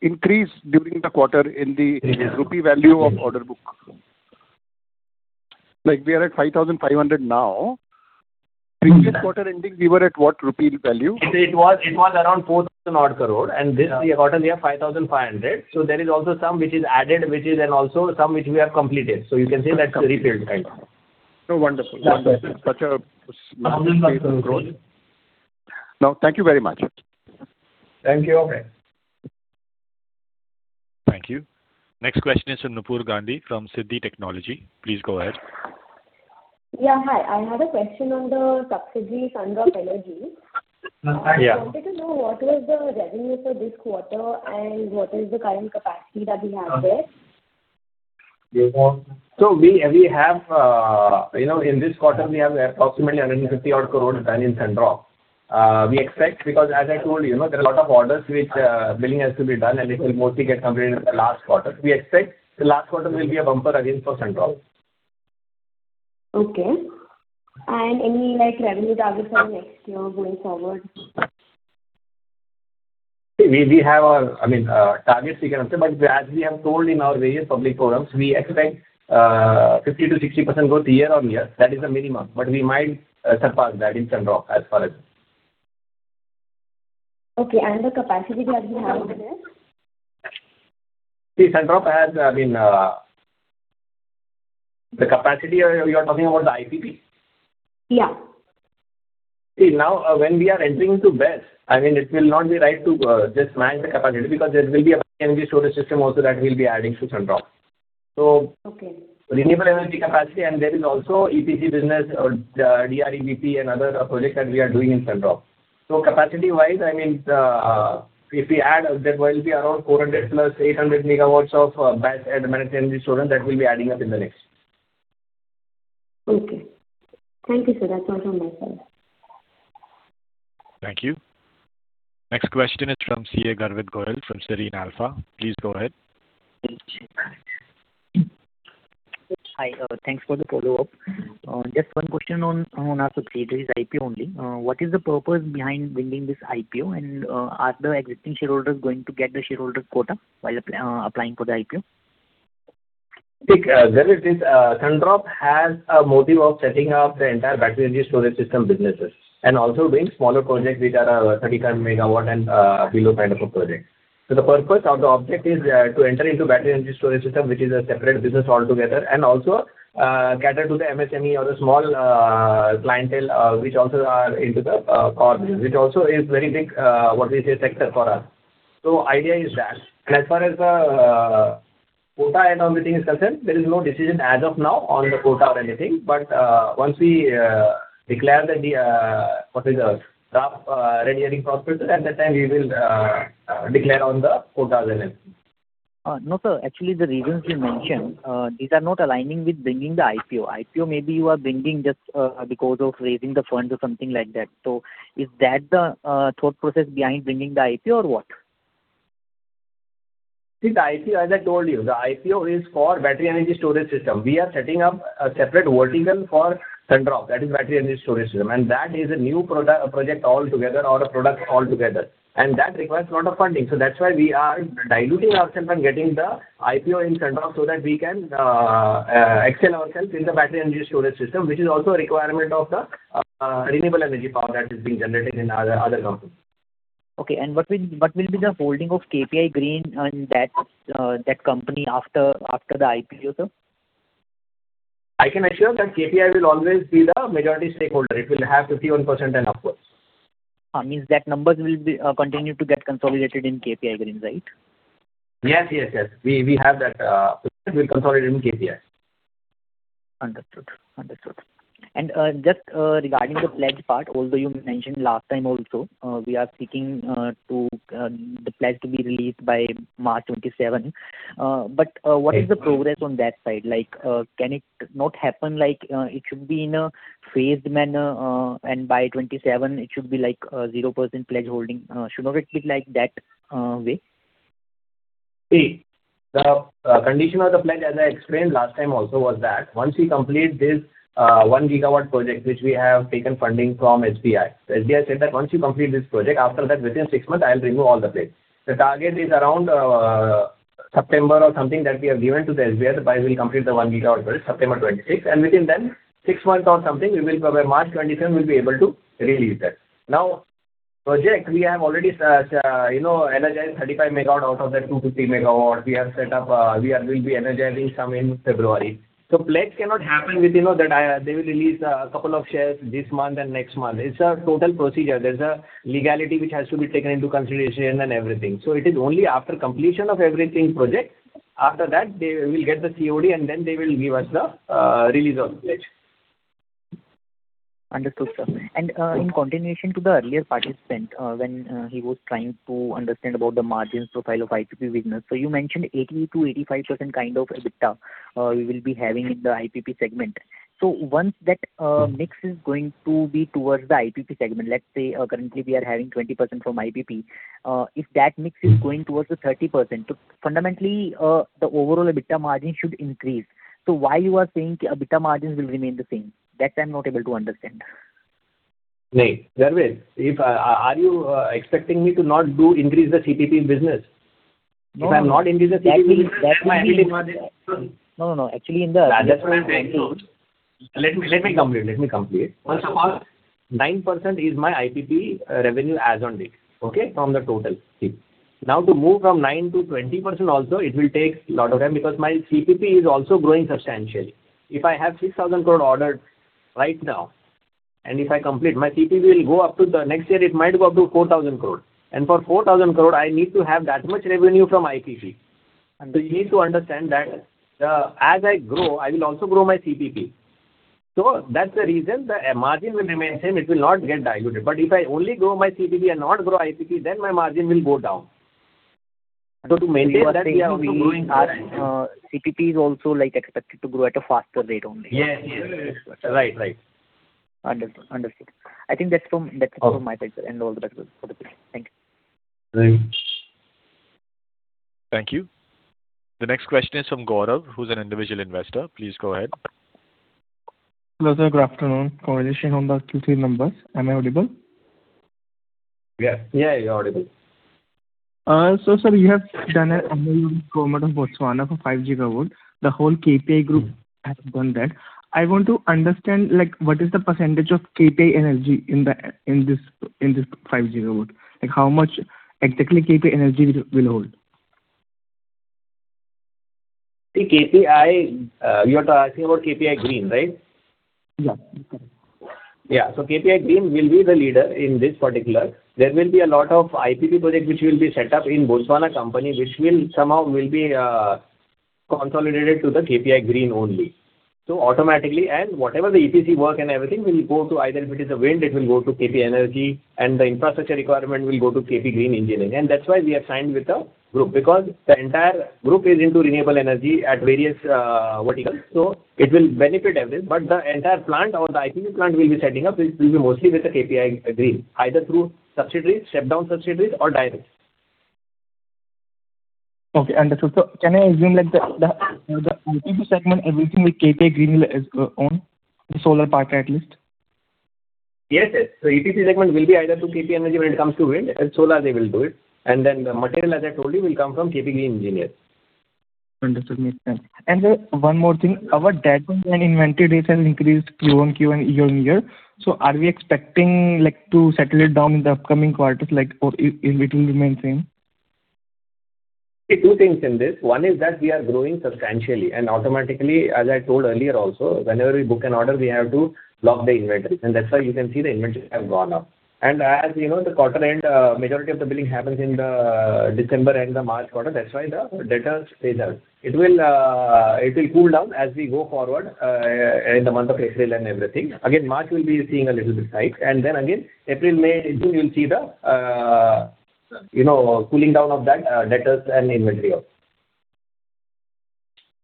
increase during the quarter in the rupee value of order book? Like we are at 5,500 now. Previous quarter ending, we were at what rupee value? It was around 4,000 crore, and this quarter, we are 5,500 crore. So there is also some which is added, which is, and also some which we have completed. So you can say that's the retail type. Oh, wonderful. Wonderful. Such a significant growth. Now, thank you very much. Thank you. Thank you. Next question is from Nupur Gandhi from Siddhi Technologies. Please go ahead. Yeah, hi. I had a question on the Subsidiary Sun Drops. I wanted to know what is the revenue for this quarter and what is the current capacity that we have there? So we have, in this quarter, approximately 150-odd crore done in Sun Drops. We expect because, as I told you, there are a lot of orders which billing has to be done, and it will mostly get completed in the last quarter. We expect the last quarter will be a bumper again for Sun Drops. Okay. Any revenue targets for the next year going forward? We have our, I mean, targets we can answer, but as we have told in our various public programs, we expect 50%-60% growth year-on-year. That is the minimum, but we might surpass that in Sun Drops as far as. Okay. The capacity that we have there? See, Sun Drops has, I mean, the capacity you are talking about the IPP? Yeah. See, now when we are entering into BESS, I mean, it will not be right to just smash the capacity because there will be an energy storage system also that we'll be adding to Sun Drops. So renewable energy capacity, and there is also EPC business, DRE EPC, and other projects that we are doing in Sun Drops. So capacity-wise, I mean, if we add, that will be around 400 + 800 MW of BESS and managed energy storage that we'll be adding up in the next. Okay. Thank you, sir. That's all from my side. Thank you. Next question is from CA Garvit Goyal from Serene Alpha. Please go ahead. Hi. Thanks for the follow-up. Just one question on our subsidiaries, IPO only. What is the purpose behind bringing this IPO, and are the existing shareholders going to get the shareholder quota while applying for the IPO? There it is. Sun Drops has a motive of setting up the entire battery energy storage system businesses and also bring smaller projects which are 35 MW and below kind of a project. So the purpose of the object is to enter into battery energy storage system, which is a separate business altogether, and also cater to the MSME or the small clientele which also are into the, which also is very big, what do you say, sector for us. So idea is that as far as the quota and everything is concerned, there is no decision as of now on the quota or anything. But once we declare that the, what is the red herring prospectus, at that time, we will declare on the quotas and everything. No, sir. Actually, the reasons you mentioned, these are not aligning with bringing the IPO. IPO maybe you are bringing just because of raising the funds or something like that. So is that the thought process behind bringing the IPO or what? See, the IPO, as I told you, the IPO is for battery energy storage system. We are setting up a separate vertical for Sun Drops. That is battery energy storage system. And that is a new project altogether or a product altogether. And that requires a lot of funding. So that's why we are diluting ourselves and getting the IPO in Sun Drops so that we can excel ourselves in the battery energy storage system, which is also a requirement of the renewable energy power that is being generated in other companies. Okay. And what will be the holding of KPI Green and that company after the IPO, sir? I can assure that KPI will always be the majority stakeholder. It will have 51% and upwards. Means that numbers will continue to get consolidated in KPI Green, right? Yes, yes, yes. We have that will consolidate in KPI. Understood. Understood. And just regarding the pledge part, although you mentioned last time also, we are seeking to the pledge to be released by March 27. But what is the progress on that side? Like can it not happen like it should be in a phased manner and by 27, it should be like 0% pledge holding? Should not it be like that way? See, the condition of the pledge, as I explained last time also, was that once we complete this 1 GW project, which we have taken funding from SBI. SBI said that once we complete this project, after that, within six months, I'll remove all the pledge. The target is around September or something that we have given to the SBI that I will complete the 1 GW project September 26. And within that, six months or something, we will, by March 27, we'll be able to release that. Now, project, we have already energized 35 MW out of that 250 MW. We have set up, we will be energizing some in February. So pledge cannot happen with, you know, that they will release a couple of shares this month and next month. It's a total procedure. There's a legality which has to be taken into consideration and everything. It is only after completion of every project. After that, they will get the COD, and then they will give us the release of pledge. Understood, sir. In continuation to the earlier participant, when he was trying to understand about the margins profile of IPP business, so you mentioned 80%-85% kind of EBITDA we will be having in the IPP segment. So once that mix is going to be towards the IPP segment, let's say currently we are having 20% from IPP, if that mix is going towards the 30%, fundamentally, the overall EBITDA margin should increase. So why you are saying EBITDA margins will remain the same? That I'm not able to understand. Nayak, Garvit, are you expecting me to not increase the CPP business? If I'm not increasing the CPP business, that's my IPP margin. No, no, no. Actually, in the. That's what I'm saying. Let me complete. Let me complete. First of all, 9% is my IPP revenue as on date. Okay? From the total. Now, to move from 9%-20% also, it will take a lot of time because my CPP is also growing substantially. If I have 6,000 crore ordered right now, and if I complete, my CPP will go up to the next year, it might go up to 4,000 crore. And for 4,000 crore, I need to have that much revenue from IPP. So you need to understand that as I grow, I will also grow my CPP. So that's the reason the margin will remain the same. It will not get diluted. But if I only grow my CPP and not grow IPP, then my margin will go down. So to maintain that. Growing CPP is also like expected to grow at a faster rate only. Yes, yes. Right, right. Understood. I think that's from my side and all the best for the team. Thank you. Thank you. The next question is from Gaurav, who's an individual investor. Please go ahead. Hello, sir. Good afternoon. Congratulations on the Q3 numbers. Am I audible? Yes. Yeah, you're audible. Sir, you have done a comment on Botswana for 5 GW. The whole KPI group has done that. I want to understand what is the percentage of KPI Energy in this 5 GW? How much exactly KPI Energy will hold? See, KPI, you're talking about KPI Green, right? Yeah. Yeah. So KPI Green will be the leader in this particular. There will be a lot of IPP projects which will be set up in Botswana company, which will somehow be consolidated to the KPI Green only. So automatically, and whatever the EPC work and everything will go to, either if it is a wind, it will go to KP Energy, and the infrastructure requirement will go to KP Green Engineering. And that's why we are signed with the group because the entire group is into renewable energy at various verticals. So it will benefit everything. But the entire plant or the IPP plant we'll be setting up will be mostly with the KPI Green, either through subsidiaries, step-down subsidiaries, or directly. Okay. Understood. So can I explain like the IPP segment, everything with KPI Green is on the solar part at least? Yes, yes. So EPC segment will be either through KPI Green Energy when it comes to wind and solar. They will do it. And then the material, as I told you, will come from KP Green Engineering. Understood. Makes sense. And one more thing, our data and inventory rates have increased Q1, Q2, and year-over-year. So are we expecting to settle it down in the upcoming quarters or it will remain the same? See, two things in this. One is that we are growing substantially. Automatically, as I told earlier also, whenever we book an order, we have to lock the inventory. And that's why you can see the inventories have gone up. And as you know, the quarter-end, majority of the billing happens in the December and the March quarter. That's why the data is out. It will cool down as we go forward in the month of April and everything. Again, March will be seeing a little bit hike. And then again, April, May, June, you'll see the cooling down of that data and inventory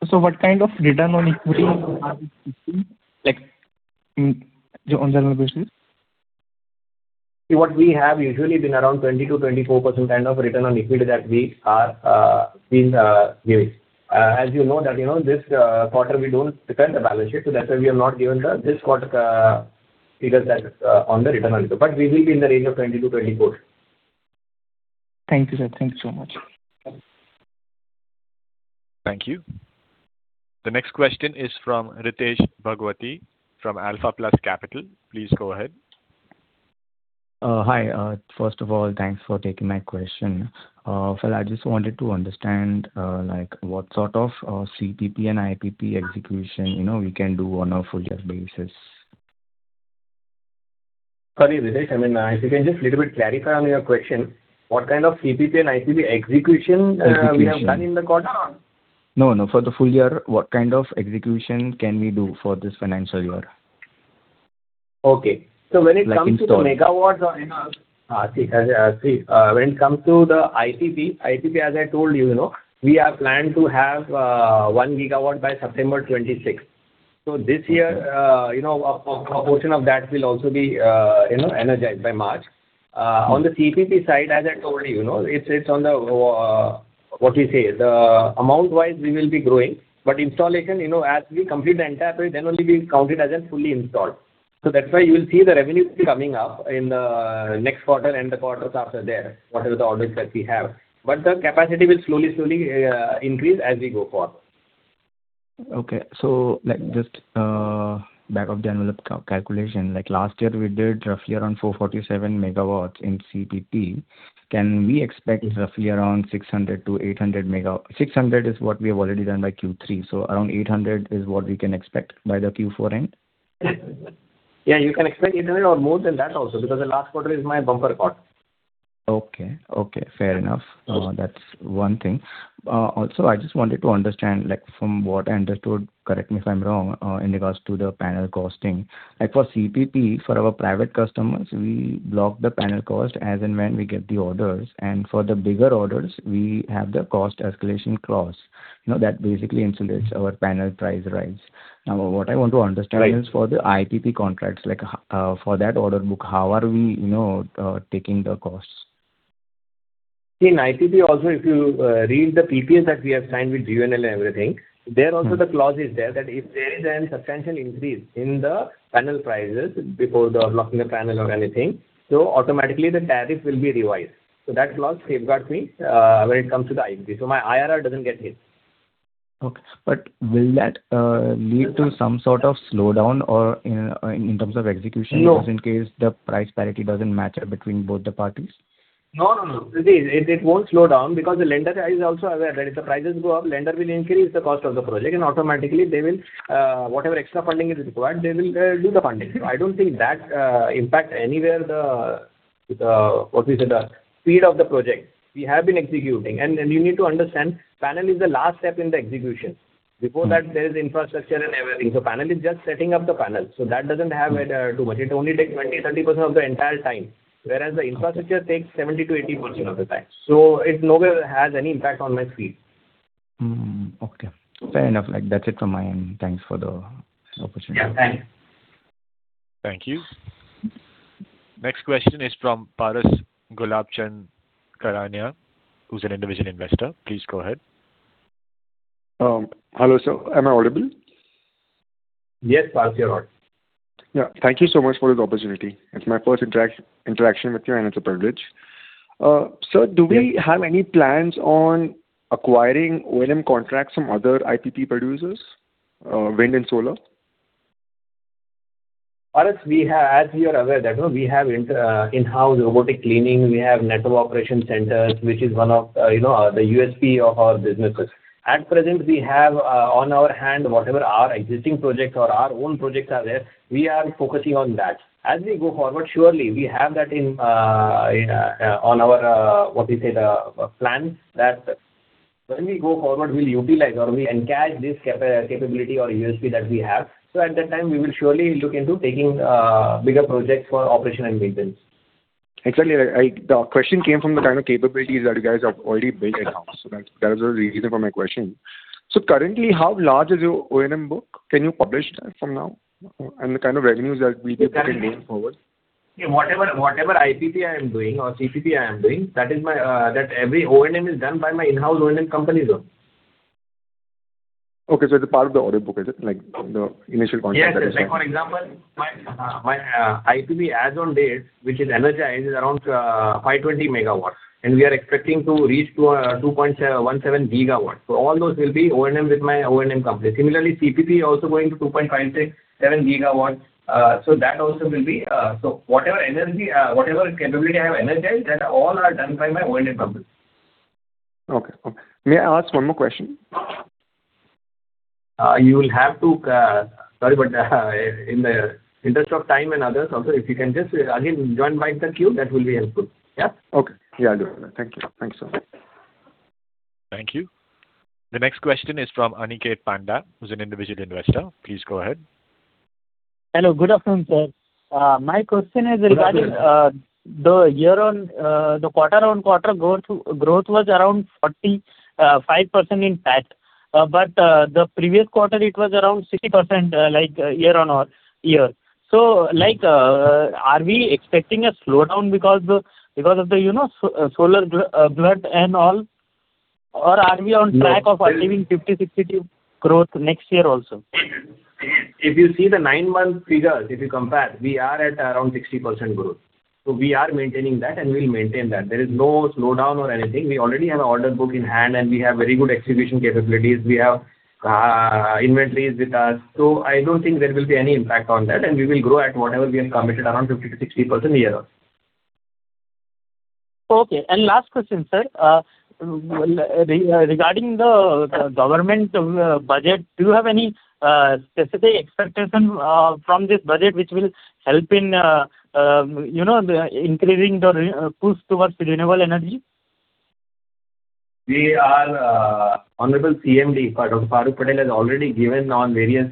also. What kind of return on equity? Like on general basis? See, what we have usually been around 20%-24% kind of return on equity that we have been giving. As you know, this quarter we don't spend the balance sheet. So that's why we have not given this quarter figures on the return on equity. But we will be in the range of 20%-24%. Thank you, sir. Thank you so much. Thank you. The next question is from Ritesh Bhagwati from Alpha Plus Capital. Please go ahead. Hi. First of all, thanks for taking my question. I just wanted to understand what sort of CPP and IPP execution we can do on a full-year basis. Sorry, Ritesh. I mean, if you can just a little bit clarify on your question. What kind of CPP and IPP execution we have done in the quarter? No, no. For the full year, what kind of execution can we do for this financial year? Okay. So when it comes to. Like in terms of megawatts or? See, when it comes to the IPP, IPP, as I told you, we are planning to have 1 GW by September 2026. So this year, a portion of that will also be energized by March. On the CPP side, as I told you, it's on the, what do you say, the amount-wise we will be growing. But installation, as we complete the entire project, then only we count it as fully installed. So that's why you will see the revenue coming up in the next quarter and the quarters after there, whatever the audits that we have. But the capacity will slowly, slowly increase as we go forward. Okay. So just back of the envelope calculation. Last year we did roughly around 447 megawatts in CPP. Can we expect roughly around 600-800 megawatts? 600 is what we have already done by Q3. So around 800 is what we can expect by the Q4 end? Yeah, you can expect it more than that also because the last quarter is my bumper quarter. Okay. Okay. Fair enough. That's one thing. Also, I just wanted to understand, from what I understood, correct me if I'm wrong, in regards to the panel costing. For CPP, for our private customers, we block the panel cost as and when we get the orders. And for the bigger orders, we have the cost escalation clause. That basically insulates our panel price rise. Now, what I want to understand is for the IPP contracts, for that order book, how are we taking the costs? See, in IPP also, if you read the PPAs that we have signed with GUVNL and everything, there also the clause is there that if there is any substantial increase in the panel prices before the locking the panel or anything, so automatically the tariff will be revised. So that clause safeguards me when it comes to the IPP. So my IRR doesn't get hit. Okay. But will that lead to some sort of slowdown in terms of execution just in case the price parity doesn't match between both the parties? No, no, no. It won't slow down because the lender is also aware that if the prices go up, lender will increase the cost of the project. And automatically, whatever extra funding is required, they will do the funding. I don't think that impact anywhere the, what do you say, the speed of the project. We have been executing. And you need to understand, panel is the last step in the execution. Before that, there is infrastructure and everything. So panel is just setting up the panel. So that doesn't have too much. It only takes 20%-30% of the entire time. Whereas the infrastructure takes 70%-80% of the time. So it nobody has any impact on my speed. Okay. Fair enough. That's it from my end. Thanks for the opportunity. Yeah. Thanks. Thank you. Next question is from Paras Gulabchand Karania, who's an individual investor. Please go ahead. Hello, sir. Am I audible? Yes, Paras, you're audible. Yeah. Thank you so much for the opportunity. It's my first interaction with you, and it's a privilege. Sir, do we have any plans on acquiring O&M contracts from other IPP producers, wind and solar? Paras, we have, as you are aware, we have in-house robotic cleaning. We have network operation centers, which is one of the USP of our businesses. At present, we have on our hand, whatever our existing projects or our own projects are there, we are focusing on that. As we go forward, surely we have that on our, what do you say, the plan that when we go forward, we'll utilize or we encash this capability or USP that we have. So at that time, we will surely look into taking bigger projects for operation and maintenance. Actually, the question came from the kind of capabilities that you guys have already built in-house. So that was the reason for my question. So currently, how large is your O&M book? Can you publish that from now? And the kind of revenues that we can gain forward? Whatever IPP I am doing or CPP I am doing, that every O&M is done by my in-house O&M companies. Okay. So it's a part of the audit book, is it? Like the initial content that is done. Yes. Like for example, my IPP as on date, which is energized, is around 520 MW. We are expecting to reach 2.17 GW. All those will be O&M with my O&M company. Similarly, CPP is also going to 2.57 GW. That also will be. Whatever energy, whatever capability I have energized, that all are done by my O&M company. Okay. Okay. May I ask one more question? You will have to, sorry, but in the interest of time and others, also if you can just again join by the queue, that will be helpful. Yeah. Okay. We are doing that. Thank you. Thanks so much. Thank you. The next question is from Aniket Panda, who's an individual investor. Please go ahead. Hello. Good afternoon, sir. My question is regarding the year-on-year, the quarter-on-quarter growth was around 45% in fact. But the previous quarter, it was around 60% year-on-year. So are we expecting a slowdown because of the solar glut and all? Or are we on track of achieving 50%-60% growth next year also? If you see the 9-month figures, if you compare, we are at around 60% growth. So we are maintaining that and we'll maintain that. There is no slowdown or anything. We already have an order book in hand and we have very good execution capabilities. We have inventories with us. So I don't think there will be any impact on that. And we will grow at whatever we have committed, around 50%-60% year-on. Okay. And last question, sir. Regarding the government budget, do you have any specific expectation from this budget which will help in increasing the push towards renewable energy? We are, Honorable CMD, Dr. Faruk Patel has already given on various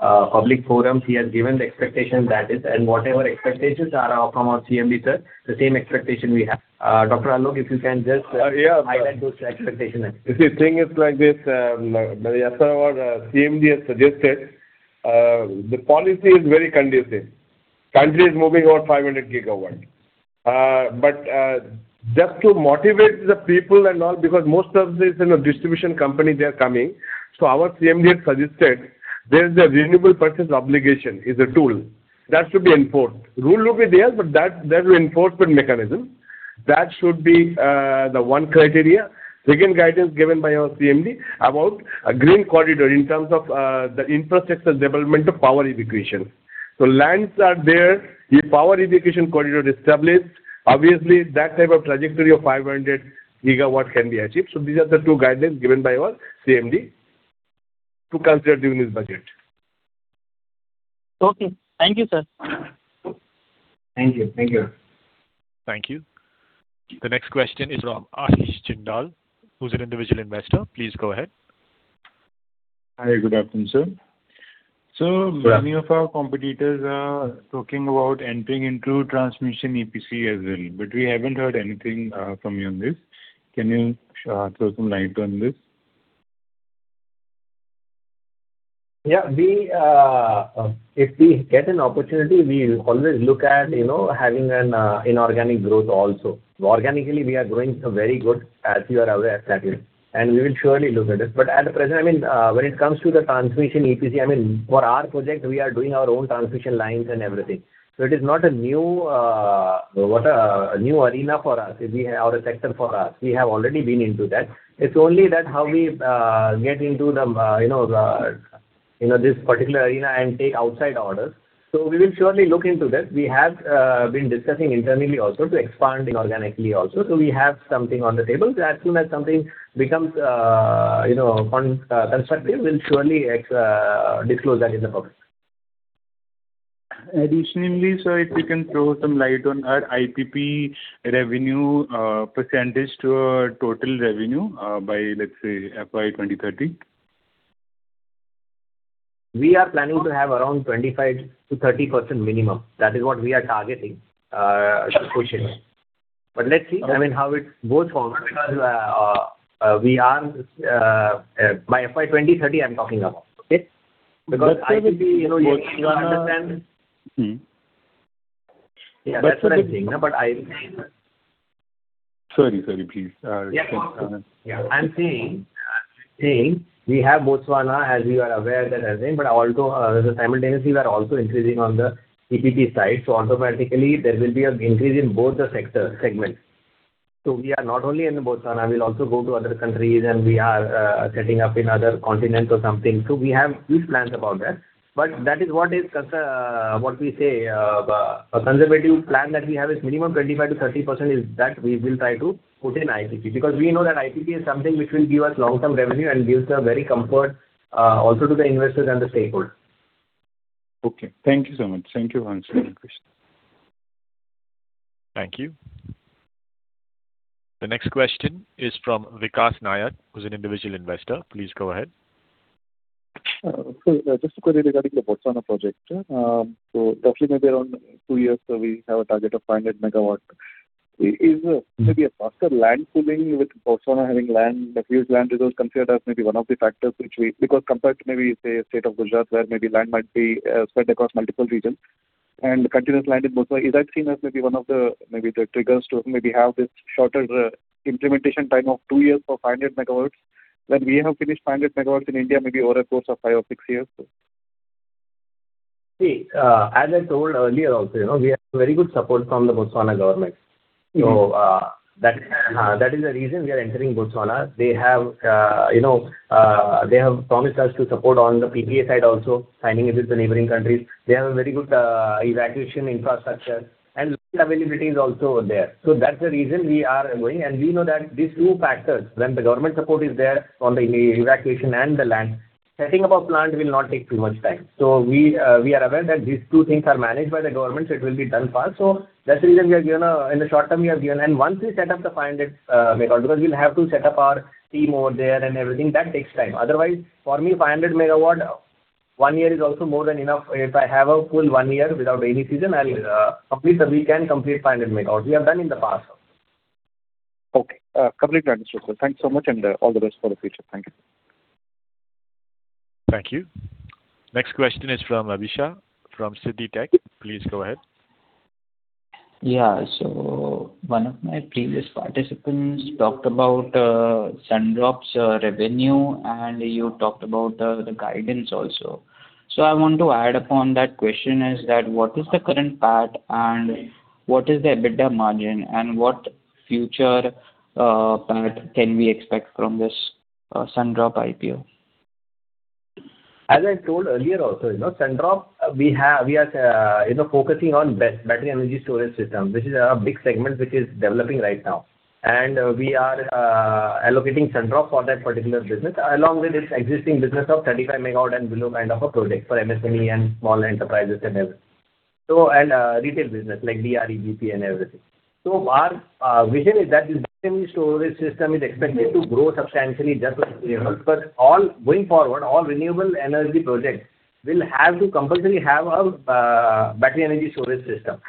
public forums. He has given the expectation that is. Whatever expectations are from our CMD, sir, the same expectation we have. Dr. Alok Das, if you can just highlight those expectations. The thing is like this. Our CMD has suggested the policy is very conducive. The country is moving about 500 GW. But just to motivate the people and all, because most of these distribution companies, they are coming. So our CMD had suggested there's a renewable purchase obligation is a tool. That should be enforced. Rule will be there, but that will be an enforcement mechanism. That should be the one criteria. Again, guidance given by our CMD about a green corridor in terms of the infrastructure development of power evacuation. So lands are there. The power evacuation corridor is established. Obviously, that type of trajectory of 500 GW can be achieved. So these are the two guidelines given by our CMD to consider during this budget. Okay. Thank you, sir. Thank you. Thank you. Thank you. The next question is from Ashish Jindal, who's an individual investor. Please go ahead. Hi. Good afternoon, sir. So many of our competitors are talking about entering into transmission EPC as well. We haven't heard anything from you on this. Can you throw some light on this? Yeah. If we get an opportunity, we will always look at having an inorganic growth also. Organically, we are growing very good, as you are aware, Sir. And we will surely look at it. But at present, I mean, when it comes to the transmission EPC, I mean, for our project, we are doing our own transmission lines and everything. So it is not a new arena for us. We have our sector for us. We have already been into that. It's only that how we get into this particular arena and take outside orders. So we will surely look into that. We have been discussing internally also to expand inorganically also. So we have something on the table. As soon as something becomes constructive, we'll surely disclose that in the public. Additionally, sir, if you can throw some light on our IPP revenue percentage to our total revenue by, let's say, FY 2030? We are planning to have around 25%-30% minimum. That is what we are targeting. But let's see, I mean, how it goes forward because we are by FY 2030, I'm talking about. Okay? Because I will be working on that and that's what I'm saying. But I. Sorry, sorry, please. Yeah. I'm saying we have Botswana, as we are aware that, but simultaneously, we are also increasing on the EPC side. So automatically, there will be an increase in both the sector segments. So we are not only in Botswana. We'll also go to other countries, and we are setting up in other continents or something. So we have these plans about that. But that is what is, what we say, a conservative plan that we have is minimum 25%-30% is that we will try to put in IPP because we know that IPP is something which will give us long-term revenue and gives a very comfort also to the investors and the stakeholders. Okay. Thank you so much. Thank you for answering the question. Thank you. The next question is from Vikas Nayak, who's an individual investor. Please go ahead. Just to quickly regarding the Botswana project, roughly maybe around 2 years, so we have a target of 500 MW. Is maybe after land pulling with Botswana having land, the field land resource considered as maybe one of the factors which we, because compared to maybe say state of Gujarat, where maybe land might be spread across multiple regions, and the country has land in Botswana, is that seen as maybe one of the maybe the triggers to maybe have this shorter implementation time of 2 years for 500 MW when we have finished 500 MW in India, maybe over a course of 5 or 6 years? See, as I told earlier also, we have very good support from the Botswana government. So that is the reason we are entering Botswana. They have promised us to support on the PPA side also, signing with the neighboring countries. They have a very good evacuation infrastructure. And availability is also there. So that's the reason we are going. And we know that these two factors, when the government support is there on the evacuation and the land, setting up our plant will not take too much time. So we are aware that these two things are managed by the government, so it will be done fast. So that's the reason we are given in the short term, we are given. And once we set up the 500 MW, because we'll have to set up our team over there and everything, that takes time. Otherwise, for me, 500 MW one year is also more than enough. If I have a full one year without any season, I'll complete the wind end, complete 500 MW. We have done in the past. Okay. Complete that, Mr. Sir. Thanks so much. All the best for the future. Thank you. Thank you. Next question is from [Abhishek] from [Sunidhi Securities]. Please go ahead. Yeah. So one of my previous participants talked about Sun Drops revenue, and you talked about the guidance also. So I want to add upon that question is that what is the current PAT, and what is the EBITDA margin, and what future PAT can we expect from this Sun Drops IPO? As I told earlier also, Sun Drops, we are focusing on battery energy storage systems, which is a big segment which is developing right now. We are allocating Sun Drops for that particular business along with its existing business of 35 MW and below and our projects for MSME and small enterprises and everything. So and retail business like BREGP and everything. Our vision is that the storage system is expected to grow substantially just because all going forward, all renewable energy projects will have to compulsorily have a battery energy storage system.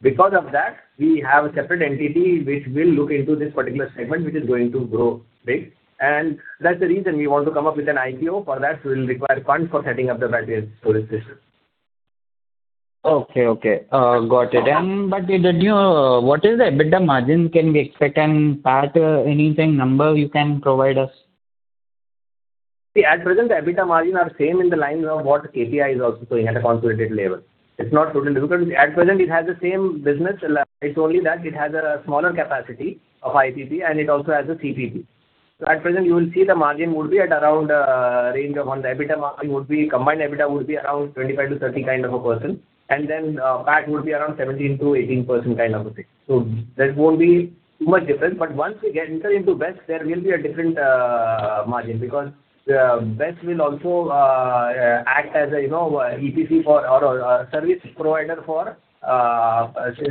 Because of that, we have a separate entity which will look into this particular segment, which is going to grow big. That's the reason we want to come up with an IPO for that will require funds for setting up the battery storage system. Okay. Okay. Got it. But what is the EBITDA margin can we expect and PAT, anything number you can provide us? See, at present, the EBITDA margin are same in the lines of what KPI is also doing at a consolidated level. It's not totally different. At present, it has the same business. It's only that it has a smaller capacity of IPP, and it also has a CPP. So at present, you will see the margin would be at around a range of on the EBITDA would be combined EBITDA would be around 25%-30% kind of a percent. And then PAT would be around 17%-18% kind of a thing. So that won't be too much difference. But once we get into BESS, there will be a different margin because BESS will also act as an EPC for our service provider for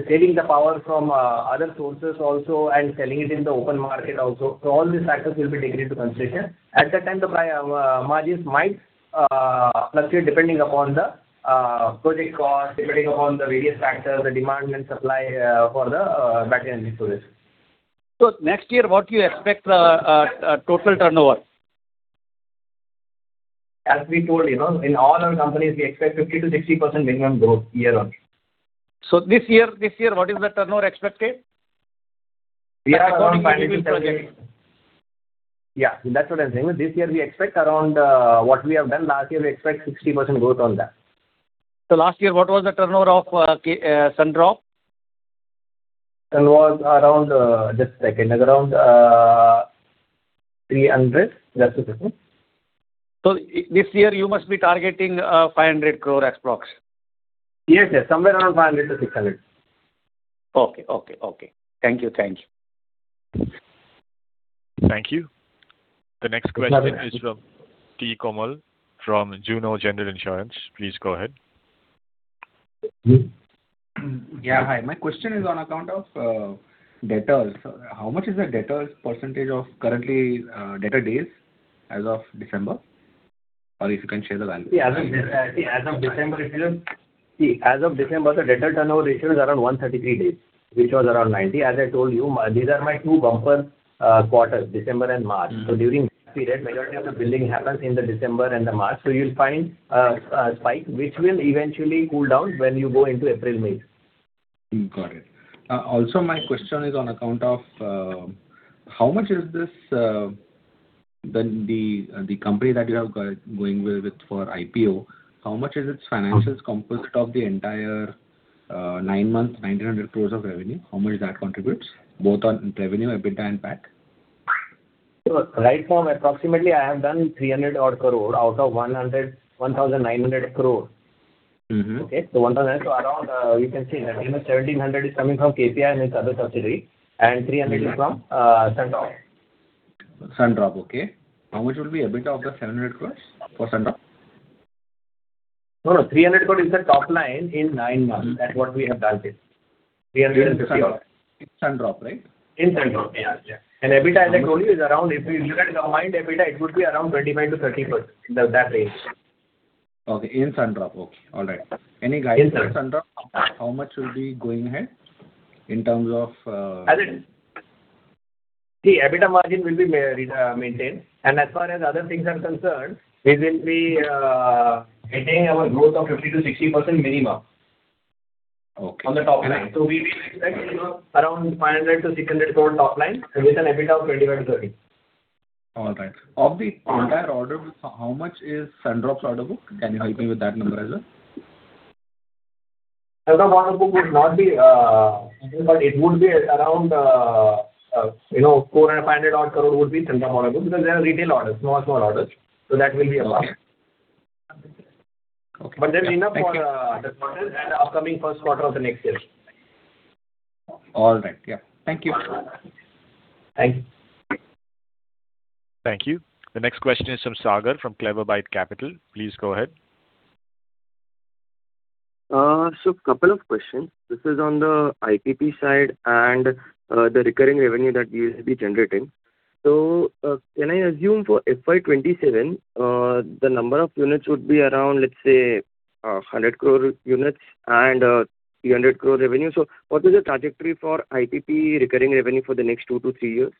saving the power from other sources also and selling it in the open market also. So all these factors will be taken into consideration. At that time, the margins might fluctuate depending upon the project cost, depending upon the various factors, the demand and supply for the battery energy storage. Next year, what do you expect the total turnover? As we told, in all our companies, we expect 50%-60% minimum growth year-on. This year, what is the turnover expected? Yeah, that's what I'm saying. This year, we expect around what we have done last year, we expect 60% growth on that. Last year, what was the turnover of Sun drop? Turnover was around, just a second, around 300. This year, you must be targeting 500 crore approx? Yes, yes. Somewhere around 500-600. Okay. Okay. Okay. Thank you. Thank you. Thank you. The next question is from T. Komal from Zuno General Insurance. Please go ahead. Yeah. Hi. My question is on account of debtors. How much is the debtors percentage of currently debtor days as of December? Or if you can share the value. Yeah. As of December, see, as of December, the debtor turnover ratio is around 133 days, which was around 90. As I told you, these are my two bumper quarters, December and March. So during this period, majority of the building happens in the December and the March. So you'll find a spike which will eventually cool down when you go into April, May. Got it. Also, my question is on account of how much is this the company that you have got going with for IPO, how much is its financials composed of the entire nine-month, 1,900 crore of revenue? How much that contributes both on revenue, EBITDA, and PAT? Right from approximately, I have done 300-odd crore out of 1,900 crore. Okay. So 1,900, we can see 1,700 is coming from KPI and its other subsidiaries, and 300 is from Sun Drops. Sun drop. Okay. How much would be EBITDA of the 700 crore for sun drop? No, no. 300 crore is the top line in nine months. That's what we have calculated. INR 300 crore in Sun Drop. In Sun Drops, right? In Sun Drop, yeah. And EBITDA, as I told you, is around if you look at the combined EBITDA, it would be around 25%-30%, that range. Okay. In Sun Drop. Okay. All right. Any guidance on Sun Drop? How much should be going ahead in terms of? See, EBITDA margin will be maintained. As far as other things are concerned, we will be getting our goal of 50%-60% minimum. Okay. On the top line. We will expect around 500-600 total top line with an EBITDA of 25-30. All right. Of the entire order book, how much is Sun Drops order book? Can you help me with that number as well? Sun Drops order book would not be, but it would be around INR 400-500-odd crore would be Sun Drops order book because there are retail orders, small, small orders. So that will be a plus. But there's enough for the quarter and upcoming first quarter of the next year. All right. Yeah. Thank you. Thank you. Thank you. The next question is from Sagar from Qubit Capital. Please go ahead. A couple of questions. This is on the IPP side and the recurring revenue that we generate. Can I assume for FY 2027, the number of units would be around, let's say, 100 crore units and 300 crore revenue? What is the trajectory for IPP recurring revenue for the next two to three years?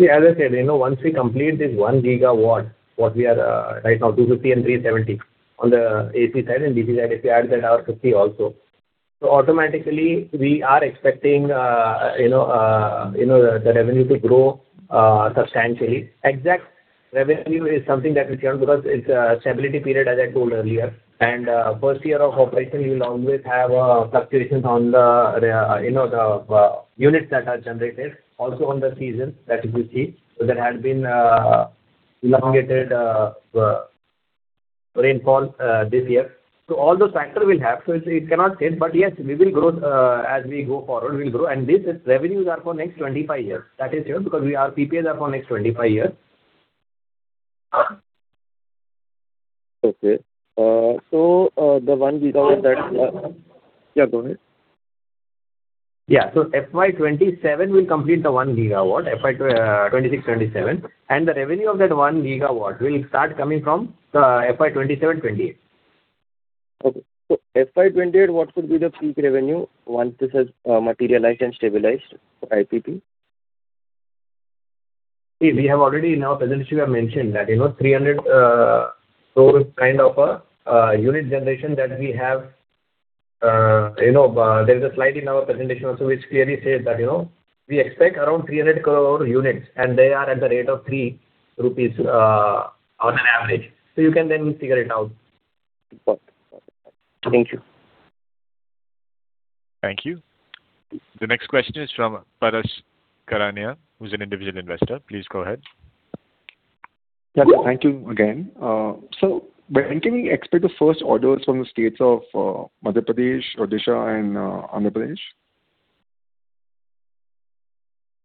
See, as I said, once we complete this 1 gigawatt, what we are right now, 250 and 370 on the AC side and DC side, if you add that our 50 also. So automatically, we are expecting the revenue to grow substantially. Exact revenue is something that we count because it's a stability period, as I told earlier. And first year of operation, you will always have fluctuations on the units that are generated, also on the season that you see. So there had been elongated rainfall this year. So all those factors will have, so it cannot change. But yes, we will grow as we go forward, we will grow. And this revenues are for next 25 years. That is because our PPAs are for next 25 years. Okay. So the 1 gigawatt that. Yeah, go ahead. Yeah. So FY 2027, we'll complete the 1 GW, FY 2026, 2027. And the revenue of that 1 GW will start coming from FY 2027, 2028. Okay. So FY 28, what would be the peak revenue once this has materialized and stabilized for IPP? See, we have already in our presentation, we have mentioned that 300 crore kind of a unit generation that we have. There is a slide in our presentation also which clearly says that we expect around 300 crore units, and they are at the rate of 3 rupees on average. So you can then figure it out. Thank you. Thank you. The next question is from Paras Gulabchand Karania, who's an individual investor. Please go ahead. Thank you again. So can we expect the first orders from the states of Madhya Pradesh, Odisha, and Andhra Pradesh?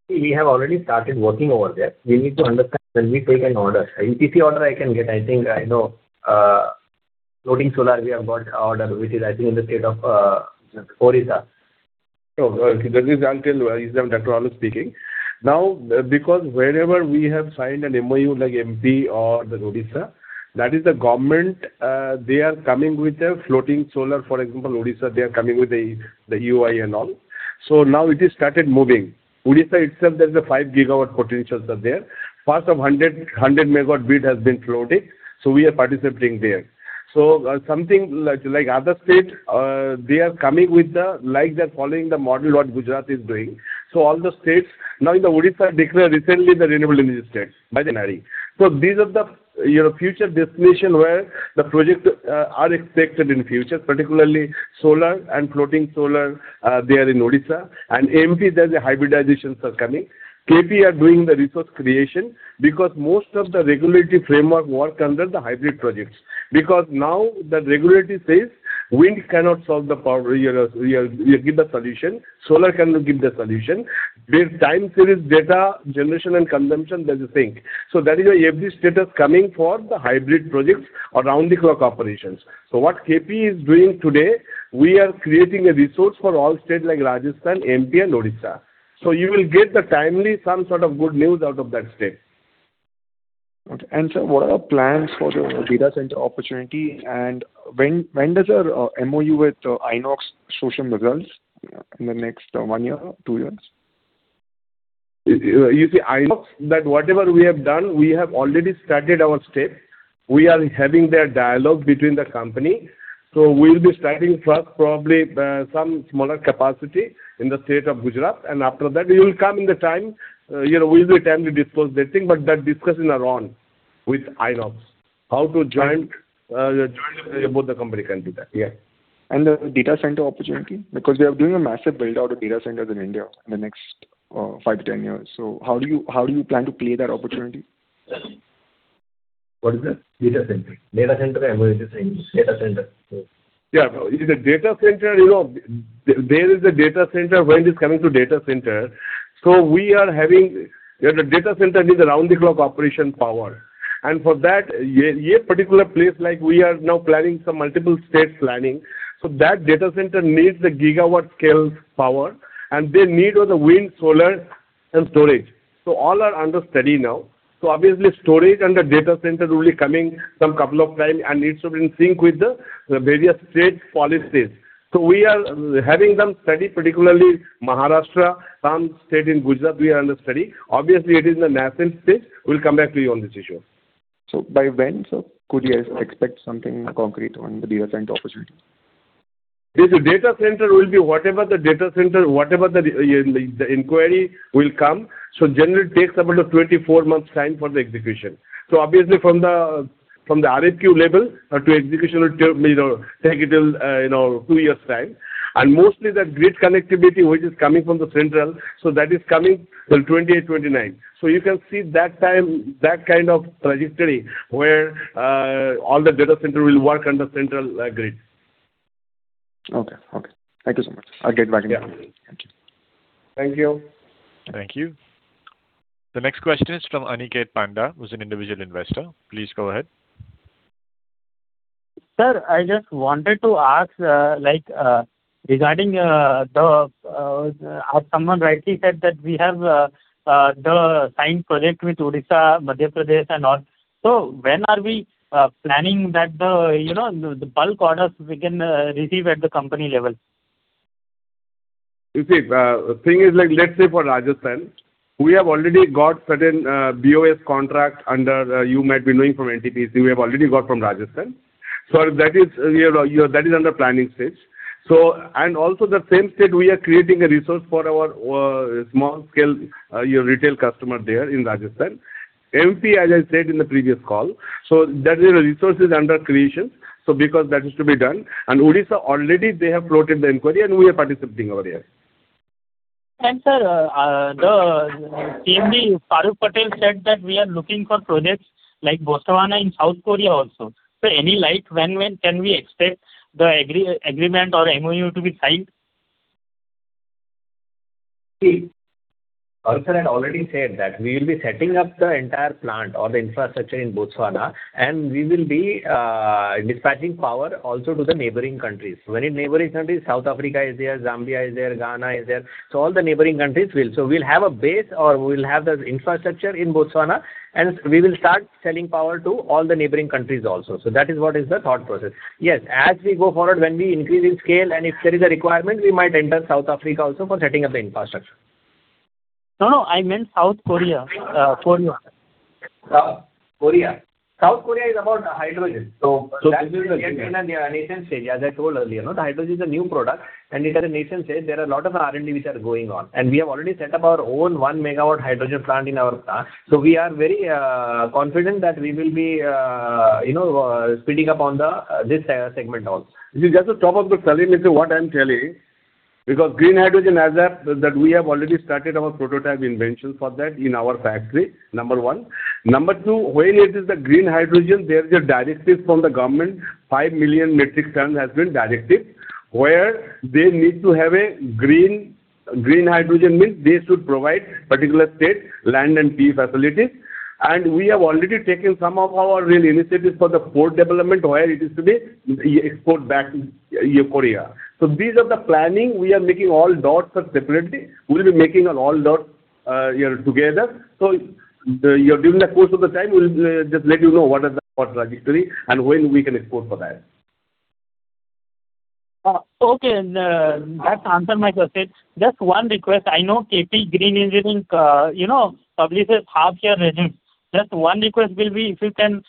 We have already started working over there. We need to understand when we take an order. EPC order I can get, I think I know floating solar we have got order, which is I think in the state of Odisha. Oh, that is Solarism, that we're all speaking. Now, because wherever we have signed an MOU like MP or the Odisha, that is the government, they are coming with the floating solar. For example, Odisha, they are coming with the EOI and all. So now it is started moving. Odisha itself, there is a 5 GW potential there. Part of 100 MW grid has been floating. So we are participating there. So something like other states, they are coming with the, like they're following the model what Gujarat is doing. So all the states, now in the Odisha declared recently the renewable energy state by the NRE. So these are the future destinations where the projects are expected in future, particularly solar and floating solar there in Odisha. And MP, there's a hybridization that's coming. KP are doing the resource creation because most of the regulatory framework work under the hybrid projects. Because now the regulatory says, wind cannot solve the power; you give the solution. Solar cannot give the solution. There's time series data generation and consumption, there's a thing. So that is a every status coming for the hybrid projects or round-the-clock operations. So what KP is doing today, we are creating a resource for all states like Rajasthan, MP, and Odisha. So you will get the timely some sort of good news out of that state. Okay. What are the plans for your data center opportunity? And when does your MOU with INOX show some results in the next one year, two years? You see, INOX, that whatever we have done, we have already started our state. We are having their dialogue between the company. So we'll be starting first, probably some smaller capacity in the state of Gujarat. And after that, we will come in the time, we will attempt to dispose that thing. But that discussion is on with INOX, how to joint both the company can do that. Yeah. And the data center opportunity? Because we are doing a massive build-out of data centers in India in the next 5-10 years. So how do you plan to play that opportunity? What is that? Data center. Data center MOU is the same data. Yeah. It is a data center. There is a data center when it is coming to data centers. So we are having the data center needs a round-the-clock operation power. And for that, a particular place like we are now planning some multiple states planning. So that data center needs the gigawatt scale power. And they need all the wind, solar, and storage. So all are under study now. So obviously, storage and the data center will be coming some couple of times and it should be in sync with the various state policies. So we are having them study, particularly Maharashtra, some state in Gujarat, we are under study. Obviously, it is the national state. We'll come back to you on this issue. So by when? So could you expect something concrete on the data center opportunity? This data center will be whatever the data center, whatever the inquiry will come. Generally takes about a 24-month time for the execution. Obviously, from the RFQ level to execution will take it till 2 years' time. Mostly that grid connectivity, which is coming from the central, so that is coming till 2028, 2029. You can see that time, that kind of trajectory where all the data center will work under central grid. Okay. Okay. Thank you so much. I'll get back in touch. Thank you. Thank you. Thank you. The next question is from Aniket Panda, who's an individual investor. Please go ahead. Sir, I just wanted to ask regarding the someone rightly said that we have the signed project with Odisha, Madhya Pradesh, and all. So when are we planning that the bulk orders we can receive at the company level? You see, the thing is like, let's say for Rajasthan, we have already got certain BOS contract under UMRE Renewable from NTPC. We have already got from Rajasthan. So that is under planning stage. And also the same state, we are creating a resource for our small-scale retail customer there in Rajasthan. MP, as I said in the previous call. So that is a resource under creation. So because that is to be done. And Odisha, already they have floated the inquiry and we are participating over there. And sir, the CMD, Faruk Patel said that we are looking for projects like Botswana in South Korea also. So any light when can we expect the agreement or MOU to be signed? See, also I had already said that we will be setting up the entire plant or the infrastructure in Botswana, and we will be dispatching power also to the neighboring countries. When in neighboring countries, South Africa is there, Zambia is there, Ghana is there. So all the neighboring countries will. So we'll have a base or we'll have the infrastructure in Botswana, and we will start selling power to all the neighboring countries also. So that is what is the thought process. Yes, as we go forward, when we increase in scale and if there is a requirement, we might enter South Africa also for setting up the infrastructure. No, no, I meant South Korea. Korea? South Korea is about hydrogen. This is a nation-state. As I told earlier, hydrogen is a new product. In the nation-states, there are a lot of R&D which are going on. We have already set up our own 1-MW hydrogen plant in our plant. We are very confident that we will be speeding up on this segment. You just to top up the salinity, what I'm telling, because Green Hydrogen, as that we have already started our prototype invention for that in our factory, number one. Number two, when it is the Green Hydrogen, there is a directive from the government, 5 million metric tons has been directed, where they need to have a Green Hydrogen means they should provide particular state, land, and PE facilities. We have already taken some of our initiatives for the port development, where it is to be export back to South Korea. These are the planning. We are making all dots separately. We'll be making all dots together. During the course of the time, we'll just let you know what is the trajectory and when we can export for that. Okay. That's answered my question. Just one request. I know KP Green Engineering publishes half-year results. Just one request will be if you can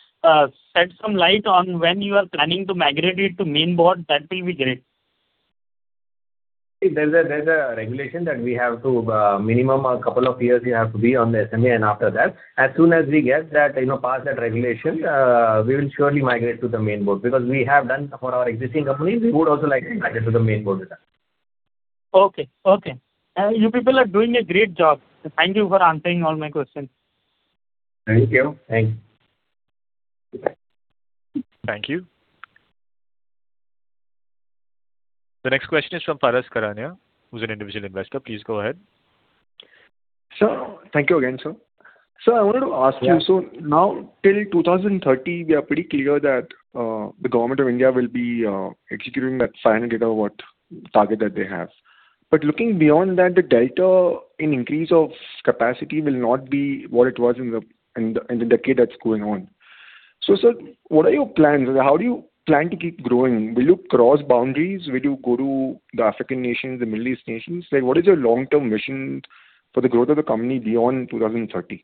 shed some light on when you are planning to migrate it to main board, that will be great. There's a regulation that we have to minimum a couple of years you have to be on the SME, and after that, as soon as we get that passed that regulation, we will surely migrate to the main board. Because we have done for our existing companies, we would also like to migrate to the main board with that. Okay. Okay. You people are doing a great job. Thank you for answering all my questions. Thank you. Thanks. Thank you. The next question is from Paras Gulabchand Karania, who's an individual investor. Please go ahead. So thank you again, sir. So I wanted to ask you, so now till 2030, we are pretty clear that the Government of India will be executing that 500 GW target that they have. But looking beyond that, the delta in increase of capacity will not be what it was in the decade that's going on. So sir, what are your plans? How do you plan to keep growing? Will you cross boundaries? Will you go to the African nations, the Middle East nations? What is your long-term mission for the growth of the company beyond 2030?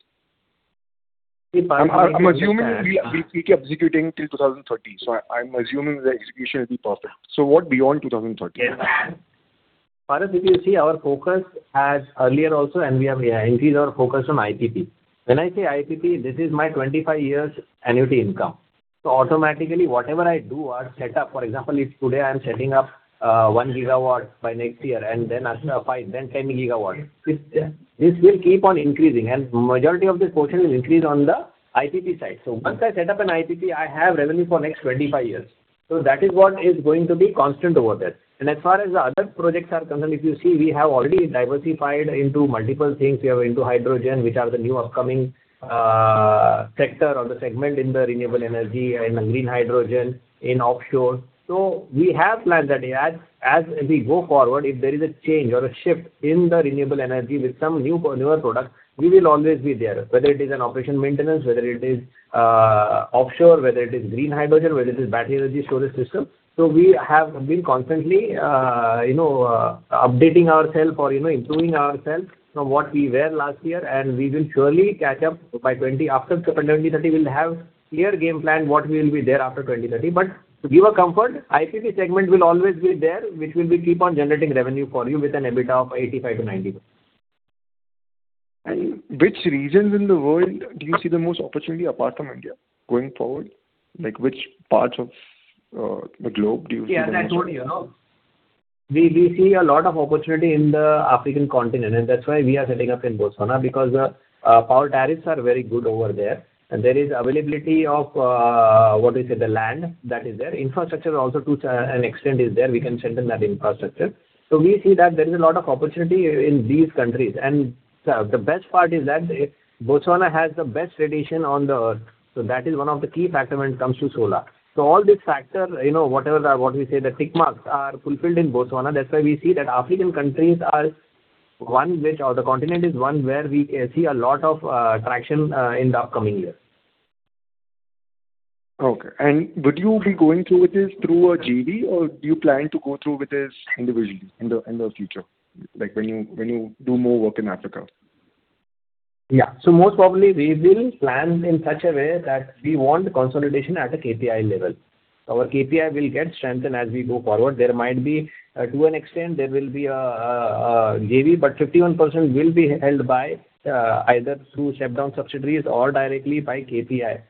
I'm assuming we keep executing till 2030. So I'm assuming the execution will be perfect. So what beyond 2030? Parash, if you see, our focus as earlier also, and we have increased our focus on IPP. When I say IPP, this is my 25 years annuity income. So automatically, whatever I do or set up, for example, if today I'm setting up 1 gigawatt by next year and then 10 gigawatts, this will keep on increasing. Majority of this portion will increase on the IPP side. So once I set up an IPP, I have revenue for next 25 years. So that is what is going to be constant over there. As far as the other projects are concerned, if you see, we have already diversified into multiple things. We have into hydrogen, which are the new upcoming sector or the segment in the renewable energy, in the green hydrogen, in offshore. So we have planned that as we go forward, if there is a change or a shift in the renewable energy with some newer products, we will always be there. Whether it is an operation maintenance, whether it is offshore, whether it is green hydrogen, whether it is battery energy storage system. So we have been constantly updating ourselves or improving ourselves from what we were last year. And we will surely catch up by 2030. We'll have clear game plan what we will be there after 2030. But to give a comfort, IPP segment will always be there, which will keep on generating revenue for you with an EBITDA of 85-90. Which regions in the world do you see the most opportunity apart from India going forward? Which parts of the globe do you see? Yeah, that's only, you know, we see a lot of opportunity in the African continent. And that's why we are setting up in Botswana because power tariffs are very good over there. And there is availability of what we say the land that is there. Infrastructure also to an extent is there. We can strengthen that infrastructure. So we see that there is a lot of opportunity in these countries. And the best part is that Botswana has the best radiation on the earth. So that is one of the key factors when it comes to solar. So all these factors, whatever we say the tick marks are fulfilled in Botswana. That's why we see that African countries are one which or the continent is one where we see a lot of traction in the upcoming years. Okay. And would you be going through with this through a JV or do you plan to go through with this individually in the future, like when you do more work in Africa? Yeah. So most probably we will plan in such a way that we want the consolidation at a KPI level. Our KPI will get strengthened as we go forward. There might be to an extent there will be a JV, but 51% will be held by either through shutdown subsidiaries or directly by KPI.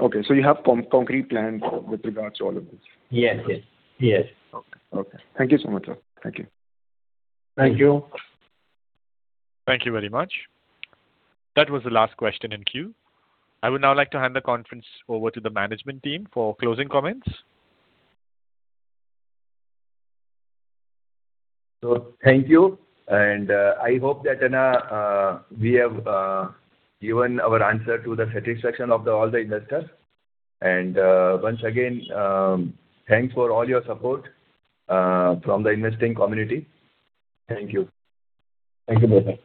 Okay. So you have concrete plan with regards to all of this? Yes. Yes. Yes. Okay. Thank you so much, sir. Thank you. Thank you. Thank you very much. That was the last question in queue. I would now like to hand the conference over to the management team for closing comments. Thank you. I hope that we have given our answer to the satisfaction of all the investors. Once again, thanks for all your support from the investing community. Thank you. Thank you, bye bye.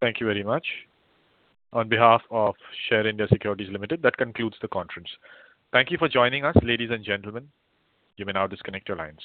Thank you very much. On behalf of Share India Securities Limited, that concludes the conference. Thank you for joining us, ladies and gentlemen. You may now disconnect your lines.